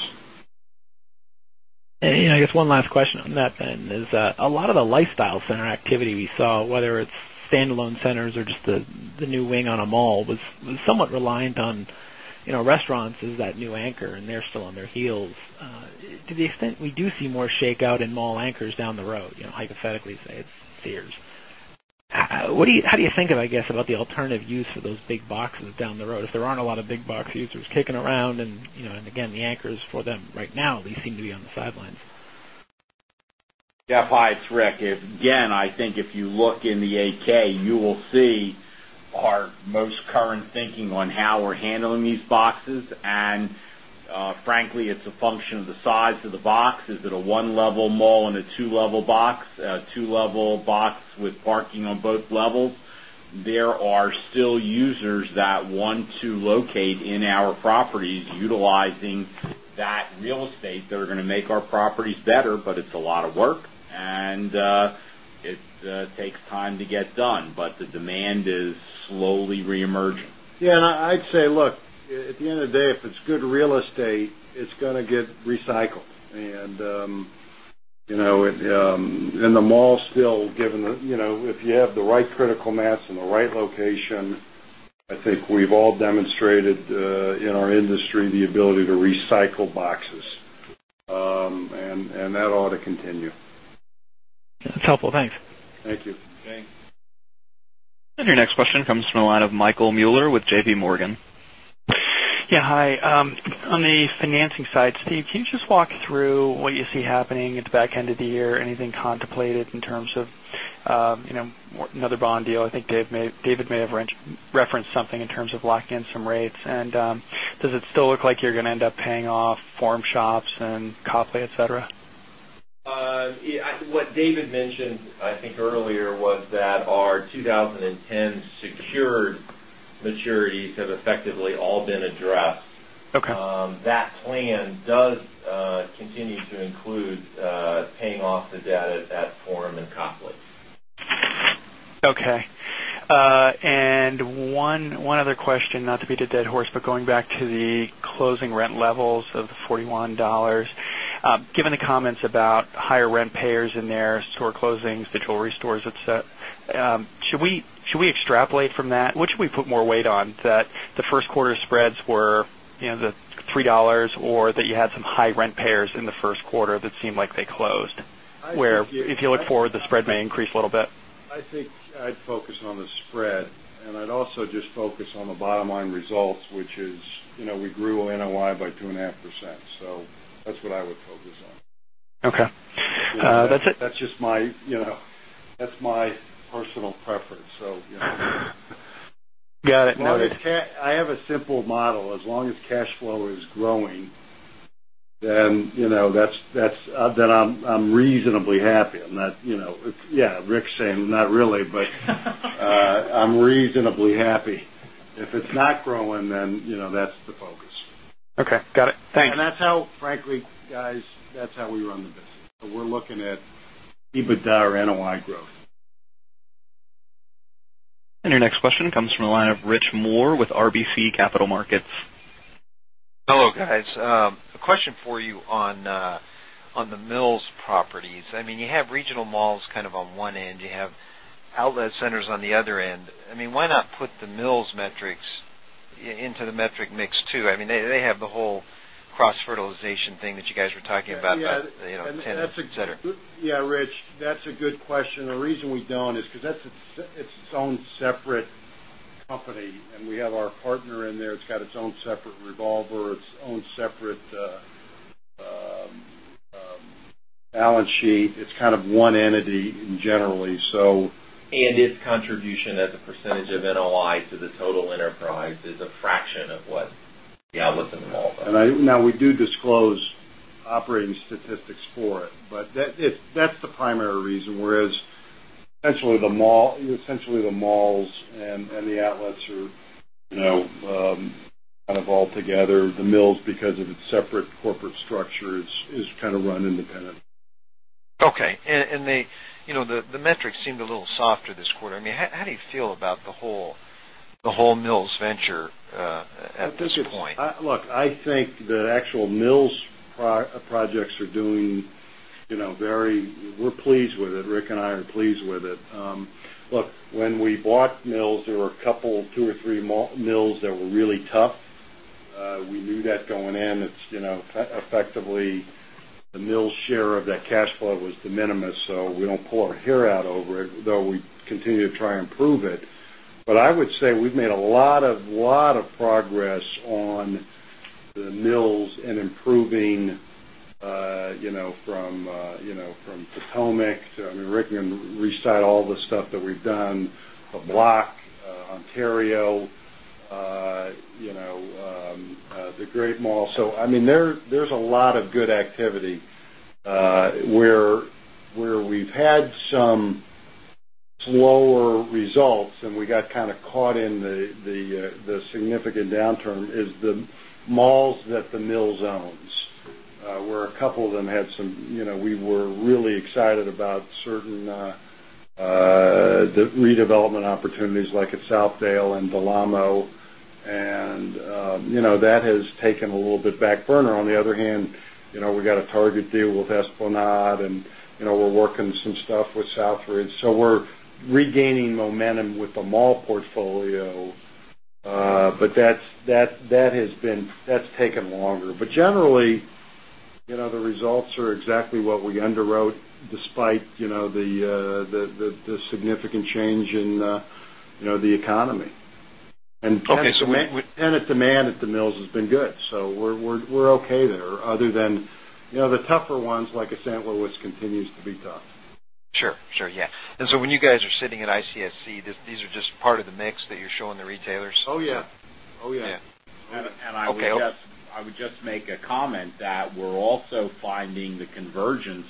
And I guess one last question on that then is that a lot of the lifestyle center activity we saw whether it's standalone centers or just the new wing on a mall was somewhat reliant on restaurants as that new anchor and they're still on their heels. To the extent we do see more shakeout in mall anchors down the road, I hypothetically say it's Sears. What do you how do you think of, I guess, about the alternative use of those big boxes down the road if there aren't a lot of big box users kicking around and again, the anchors for them right now, they seem to be on the sidelines. Jeff, it's Rick. Again, I think if you look in the 8 ks, you will see our most current thinking on how we're handling these boxes. And frankly, it's a function of the size of the box. Is it a one level mall and a 2 level box, 2 level box with parking on both levels. There are still users that want to locate in our properties utilizing that real estate that are going to make our properties better, but it's a lot of work and it takes time to get done, but the demand is in in the mall still given the if you have the right critical mass in the right location, I think we've all demonstrated in our industry the ability to recycle boxes and that ought to continue. That's helpful. Thanks. Thank you. Thanks. And your next question comes from the line of Michael Mueller with JPMorgan. Yes. Hi. On the financing side, Steve, can you just walk through what you see happening at the back end of the year, anything contemplated in terms of another bond deal? I think David may have referenced something in terms of locking in some rates. And does it still look like you're going to end up paying off form shops and Kapay, etcetera? What David mentioned, I think earlier was that our 20 10 secondured maturities have Forum and Copler. Okay. And one other question, not to beat a dead horse, but going back to the closing rent levels of the $41 given the comments about higher rent payers in their store closings, the jewelry stores, etcetera, Should we extrapolate from that? What should we put more weight on that the Q1 spreads were the $3 or that you had some high rent payers in the Q1 that seemed like they closed, where if you look forward the spread may increase a little bit? I think I'd focus on the spread and I'd also just focus on the bottom line results, which is we grew NOI by 2.5%. So that's what I would focus on. Okay. That's just my personal preference. So Got it. Noted. I have a simple model. As long as cash flow is growing, then that's then I'm reasonably happy. I'm not yes, Rick is saying not really, but I'm reasonably happy. If it's not growing, then that's the focus. Okay. Got it. And that's how frankly guys that's how we run the business. We're looking at EBITDA or NOI growth. And your next Rich Moore with RBC Capital Markets. Hello guys. A question for you on the mills properties. I mean, you have regional malls kind of on one end, you have outlet centers on the other end. I mean, why not put the mills metrics into the metric mix too? I mean, they have the whole cross fertilization thing that you guys were talking about, etcetera? Yes, Rich, that's a good question. The reason we don't is because that's its own separate company and we have our partner in there. It's got its own separate revolver, its own separate balance sheet. It's kind of one entity in generally. So And its contribution as a percentage of NOI to the total enterprise is a fraction of what the outlooks in the malls are. Now we do disclose operating statistics for it, but that's the primary reason whereas essentially the malls and the run independent. Okay. And the metrics seemed a little softer this quarter. I mean, how do you feel about the whole Mills venture at this point? Look, I think the actual Mills projects are doing very we're pleased with it. Rick and I are pleased with it. Look, when we bought mills, there were a couple 2 or 3 mills that were really tough. We knew that going in. It's effectively the mill share of that cash flow was de minimis. So we don't pour hair out over it, though we continue to try and and improve it. But I would say we've made a lot of progress on the mills and improving from Potomac. I mean, Rick can recite all the stuff that we've done, the block, Ontario, the Great Mall. So, I mean, there's a lot of good activity where we've had some slower results and we got kind of caught in the significant downturn is the malls that the mills owns, where a couple of them had some we were really excited about certain redevelopment opportunities like at Southdale and Del Amo. And that has taken a little bit back burner. On the other hand, we got a Target deal with Espenade and we're working some stuff with Southridge. So we're regaining momentum with the mall portfolio, but that has been that's taken longer. But generally, the results are exactly what we underwrote despite the significant change in the economy. And the demand at the mills has been good. So we're okay there other than the tougher ones like I said, where which continues to be tough. Sure, sure. Yes. And so when you guys are sitting at ICSC, these are just part of the mix that you're showing the retailers? Oh, yes. Oh, yes. Yes. And I would just make a comment that we're also finding the convergence.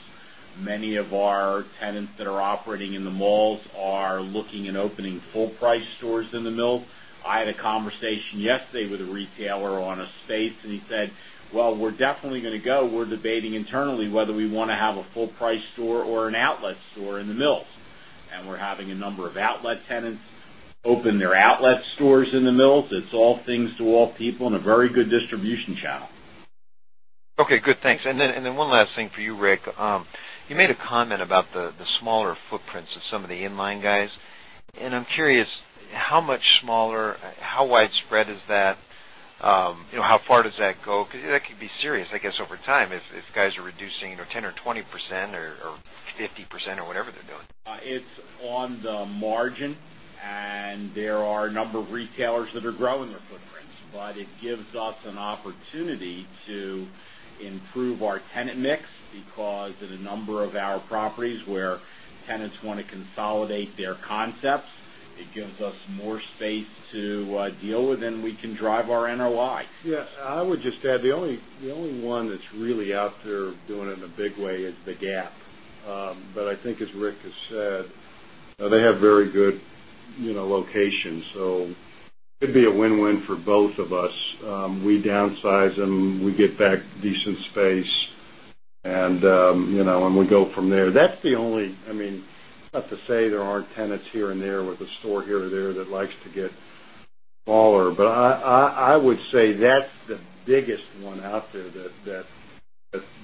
Many of our tenants that are operating in the malls are looking and opening full price stores in the mill. I had a conversation yesterday with a retailer on a space and he said, well, we're definitely going to go. We're debating internally whether we want to have a full price store or an outlet store in the mill. All people and a very good distribution channel. Okay, good. Thanks. And then one last thing for you Rick. You made a comment about the smaller footprints of some of the in line guys. And I'm curious how much smaller, how widespread is that? How far does that go? Because that could be serious, I guess, over time if guys are reducing 10% or 20% or 50% or whatever they're doing? It's on the margin, and there are a number of retailers that are growing their footprints. But it gives us an opportunity to improve our tenant mix because at a number of our properties where tenants want to consolidate their concepts, it gives us more space to deal with and we can drive our NOI. Yes. I would just add the only one that's really out there doing it in a big way is the GAAP. But I think as Rick has said, they have very good locations. So it could be a win win for both of us. We downsize them, we get back decent space and we go from there. That's the only I mean, not to say there aren't tenants here and there with a store here or there that likes to get smaller. But I would say that's the biggest one out there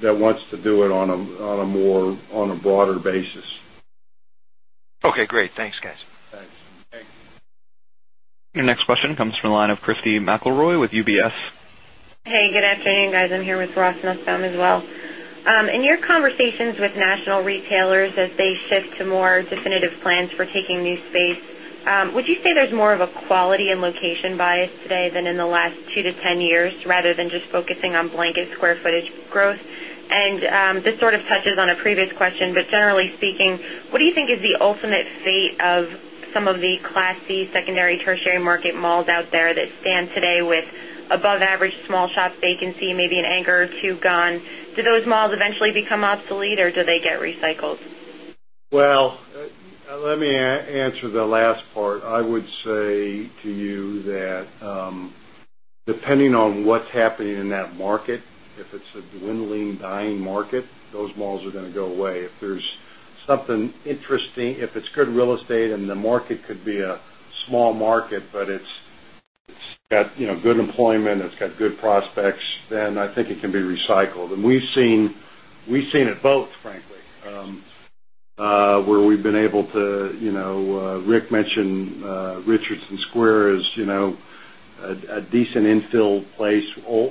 that wants to do it on a more on a broader basis. Okay, great. Thanks guys. Thanks. Your next question comes from the line of Christy McElroy with UBS. Hey, good I'm here with Ross Nussbaum as well. In your conversations with national retailers as they shift to more definitive plans for taking new space, would you say there's more of a quality and location bias today than in the last 2 to 10 years rather than just focusing on blanket square footage growth? And this sort of touches on a previous question, but generally speaking, what do you think is the ultimate fate of some of the Class C secondary, tertiary market malls out there that stand today with above average small shop vacancy, maybe an anchor to gone. Do those malls that depending on what's happening in that market, if it's a dwindling, dying market, those malls are going to go away. If there's something interesting, if it's good real estate and the market could be a small market, but it's got good employment, it's got good prospects, then I think it can be recycled. And we've seen it both, frankly, where we've been able to Rick mentioned Richardson Square as a decent infill place,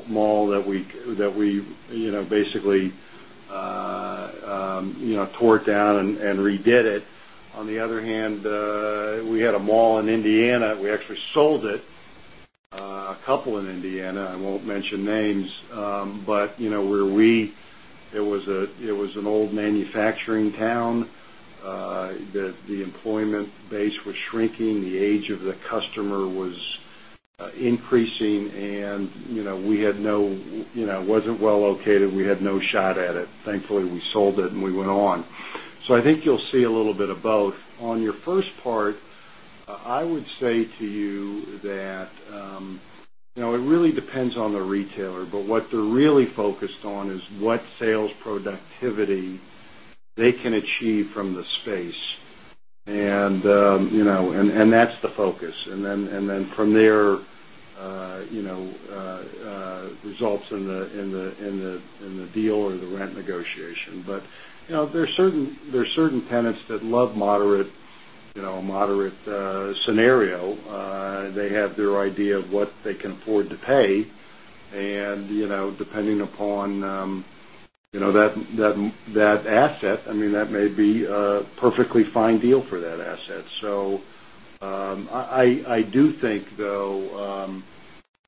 mall that we basically tore it down and redid it. Where we it was where we it was an old manufacturing town that the employment base was shrinking. The age of the the we sold it and we went on. So I think you'll see a little bit of both. On your first part, I would say to you that it really depends on the retailer, but what they're really focused on is what sales productivity they can achieve from the space. And that's the focus. And then from there results in the deal or the rent negotiation. But there are certain tenants that love moderate scenario. They have their idea of what they can afford to pay. And depending upon that asset, I mean, that may be a perfectly fine deal for that asset. So I do think though,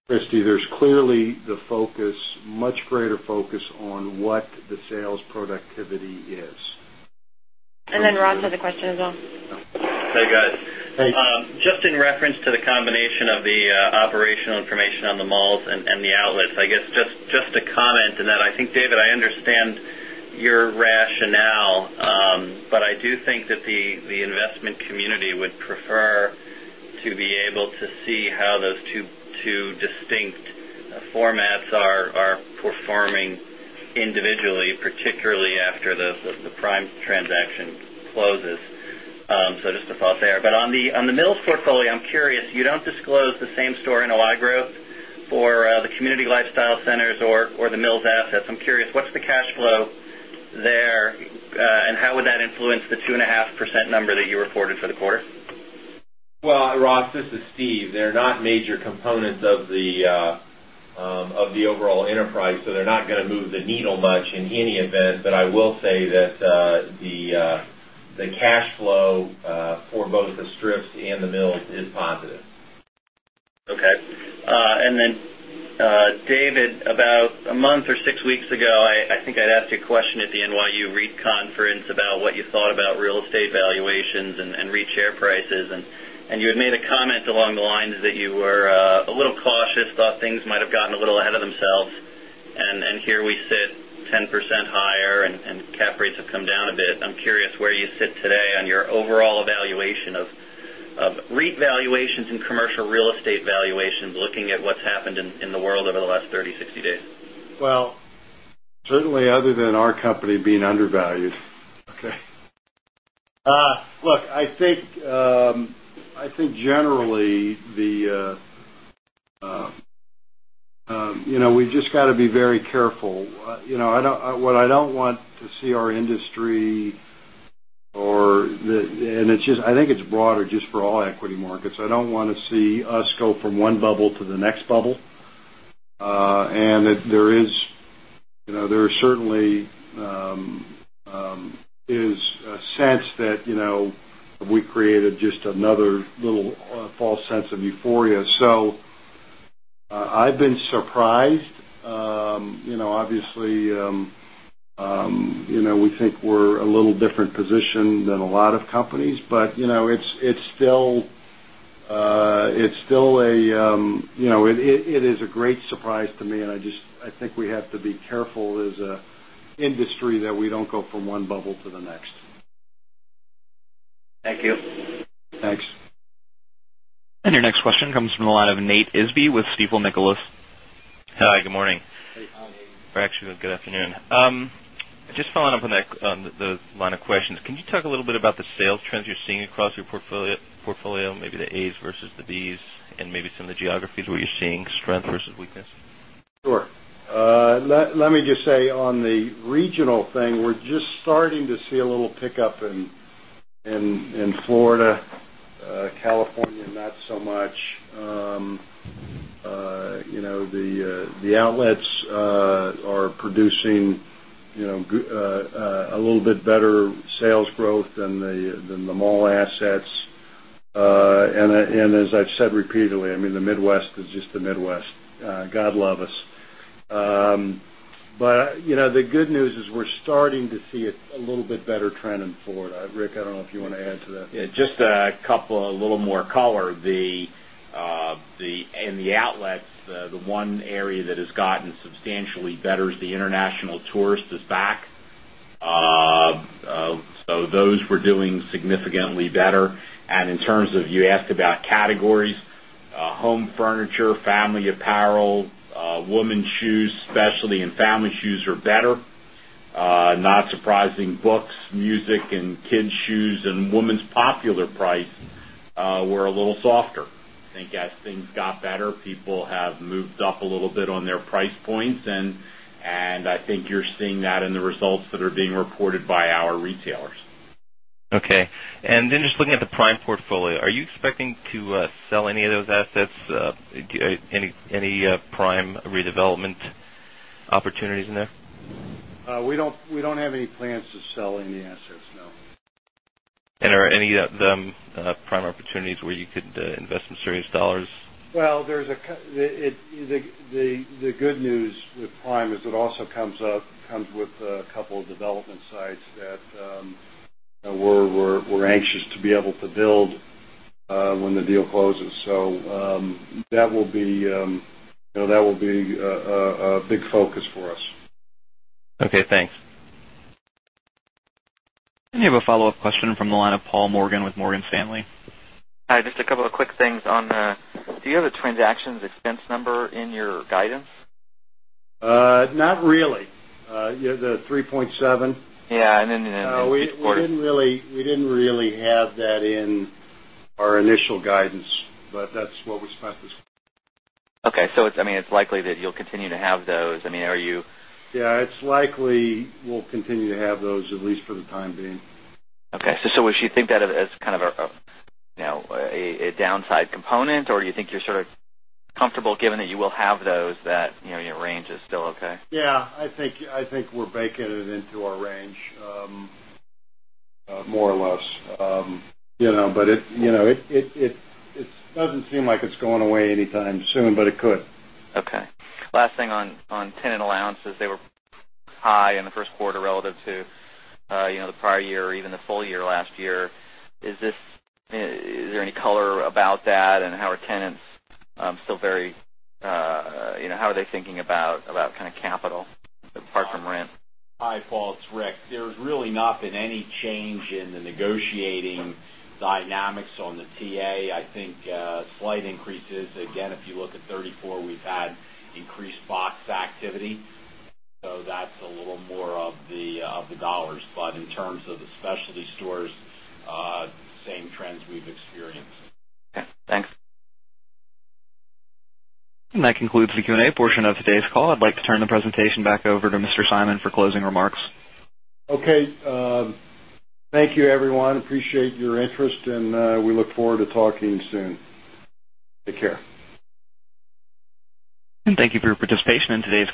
Christy, there's clearly the focus, much greater focus on what the sales productivity is. And then Ron to the question as well. Hey, guys. Just in rationale, but I do think that the investment community would prefer to be able to see how those 2 distinct formats are performing individually, particularly after the Prime transaction closes. So just a thought there. But on the Mills portfolio, I'm curious, you don't disclose the same store NOI growth for the community lifestyle centers or the Mills assets. I'm curious, what's the cash flow there? And how would that influence the 2.5% number that you reported for quarter? Well, Ross, this is Steve. They're not major components of the overall enterprise. So they're not going to move the needle much in any event, but I will say that the cash flow for both the strips and the mills is positive. Okay. And then, David, about a month or 6 weeks ago, I think I'd ask a question at the NYU REIT conference about what you thought about real estate valuations and REIT share prices. And you had made a comment along the lines that you were a little cautious, thought things might have gotten a little ahead of themselves. And here we sit 10% higher and cap rates have come down a bit. I'm curious where you sit today on your overall evaluation of REIT valuations and commercial real estate valuations looking at what's happened in the world over the last 30, 60 days? Well, certainly other than our company being undervalued, okay. Look, I think generally the we just got to be very careful. What I don't want to see our industry or and it's just I think it's broader just for all equity markets. I don't want to see us go from one bubble to the next bubble. And there is certainly is a sense we created just another little false sense of euphoria. So I've been surprised. Obviously, we think we're a little different position than a lot of companies, but it's still a it is a great surprise to me and I just I think we have to be careful as an industry that we don't go from one bubble good morning. Hi, Nate good morning. Hey, Nate. Actually, good afternoon. Just following up on the line of questions. Can you talk a little about the sales trends you're seeing across your portfolio, maybe the As versus the Bs and maybe some of the geographies where you're seeing strength versus weakness? Sure. Let me just say on the regional thing, we're just starting to see a little pickup in Florida, California not so much. The outlets are producing a little bit better sales growth than the mall assets. And as I've said repeatedly, I mean, the Midwest is just the Midwest. God love us. But the good news is we're starting to see a little bit better trend in Florida. Rick, I don't know if you want to add to that. Yes. Just a couple of little more color. In the outlets, the one area that has gotten substantially are better. Not surprising books, music and kids shoes and women's popular price were a little a little softer. I think as things got better, people have moved up a little bit on their price points and I think you're seeing that in the results that are being reported by our retailers. Okay. And this is are being reported by our retailers. Okay. And then just looking at the prime portfolio, are you expecting to sell any of those assets, any prime redevelopment opportunities in there? We don't have any plans to sell any assets, no. And are any of them prime opportunities where you could invest in serious dollars? Well, there's a the good news with Prime is it also comes up comes with a couple of development sites that we're anxious to be able to build when the deal closes. So that will be a big focus for us. Okay. Thanks. And we have a follow-up question from the line of Paul Morgan with Morgan Stanley. Hi. Just a couple of quick things on the do you have a transaction expense number in your guidance? Not really. The 3.7 percent. Yes. And then in the quarter. We didn't really have that in our initial guidance, but that's what we spent this Okay. So it's I mean, it's likely that you'll continue to have those. I mean, are you Yes. It's likely we'll continue to have those at least for the time being. Okay. So think that as kind of a downside component or do you think you're sort of comfortable given that you will have those that your range is still okay? Yes. I think we're baking it into our range more or less. It doesn't seem like it's going away anytime soon, but it could. Okay. Last thing on tenant allowances, they were high in the Q1 relative to the prior year or even the full year last year. Is this is there any color about that? And how are tenants still very how are they thinking about kind of capital apart from rent? Hi, Paul. It's Rick. There's really not been any change in the negotiating dynamics on the TA. I think slight increases. Again, if you look at 34, we've had increased box activity. So that's a little more of the dollars. But in terms of the specialty stores, same trends we've experienced. And that concludes the Q and A portion of today's call. I'd like to turn the presentation back over to Mr. Simon for closing remarks. Okay. Thank you everyone. Appreciate your interest and we look forward to talking soon. Take care. And thank you for your participation in today's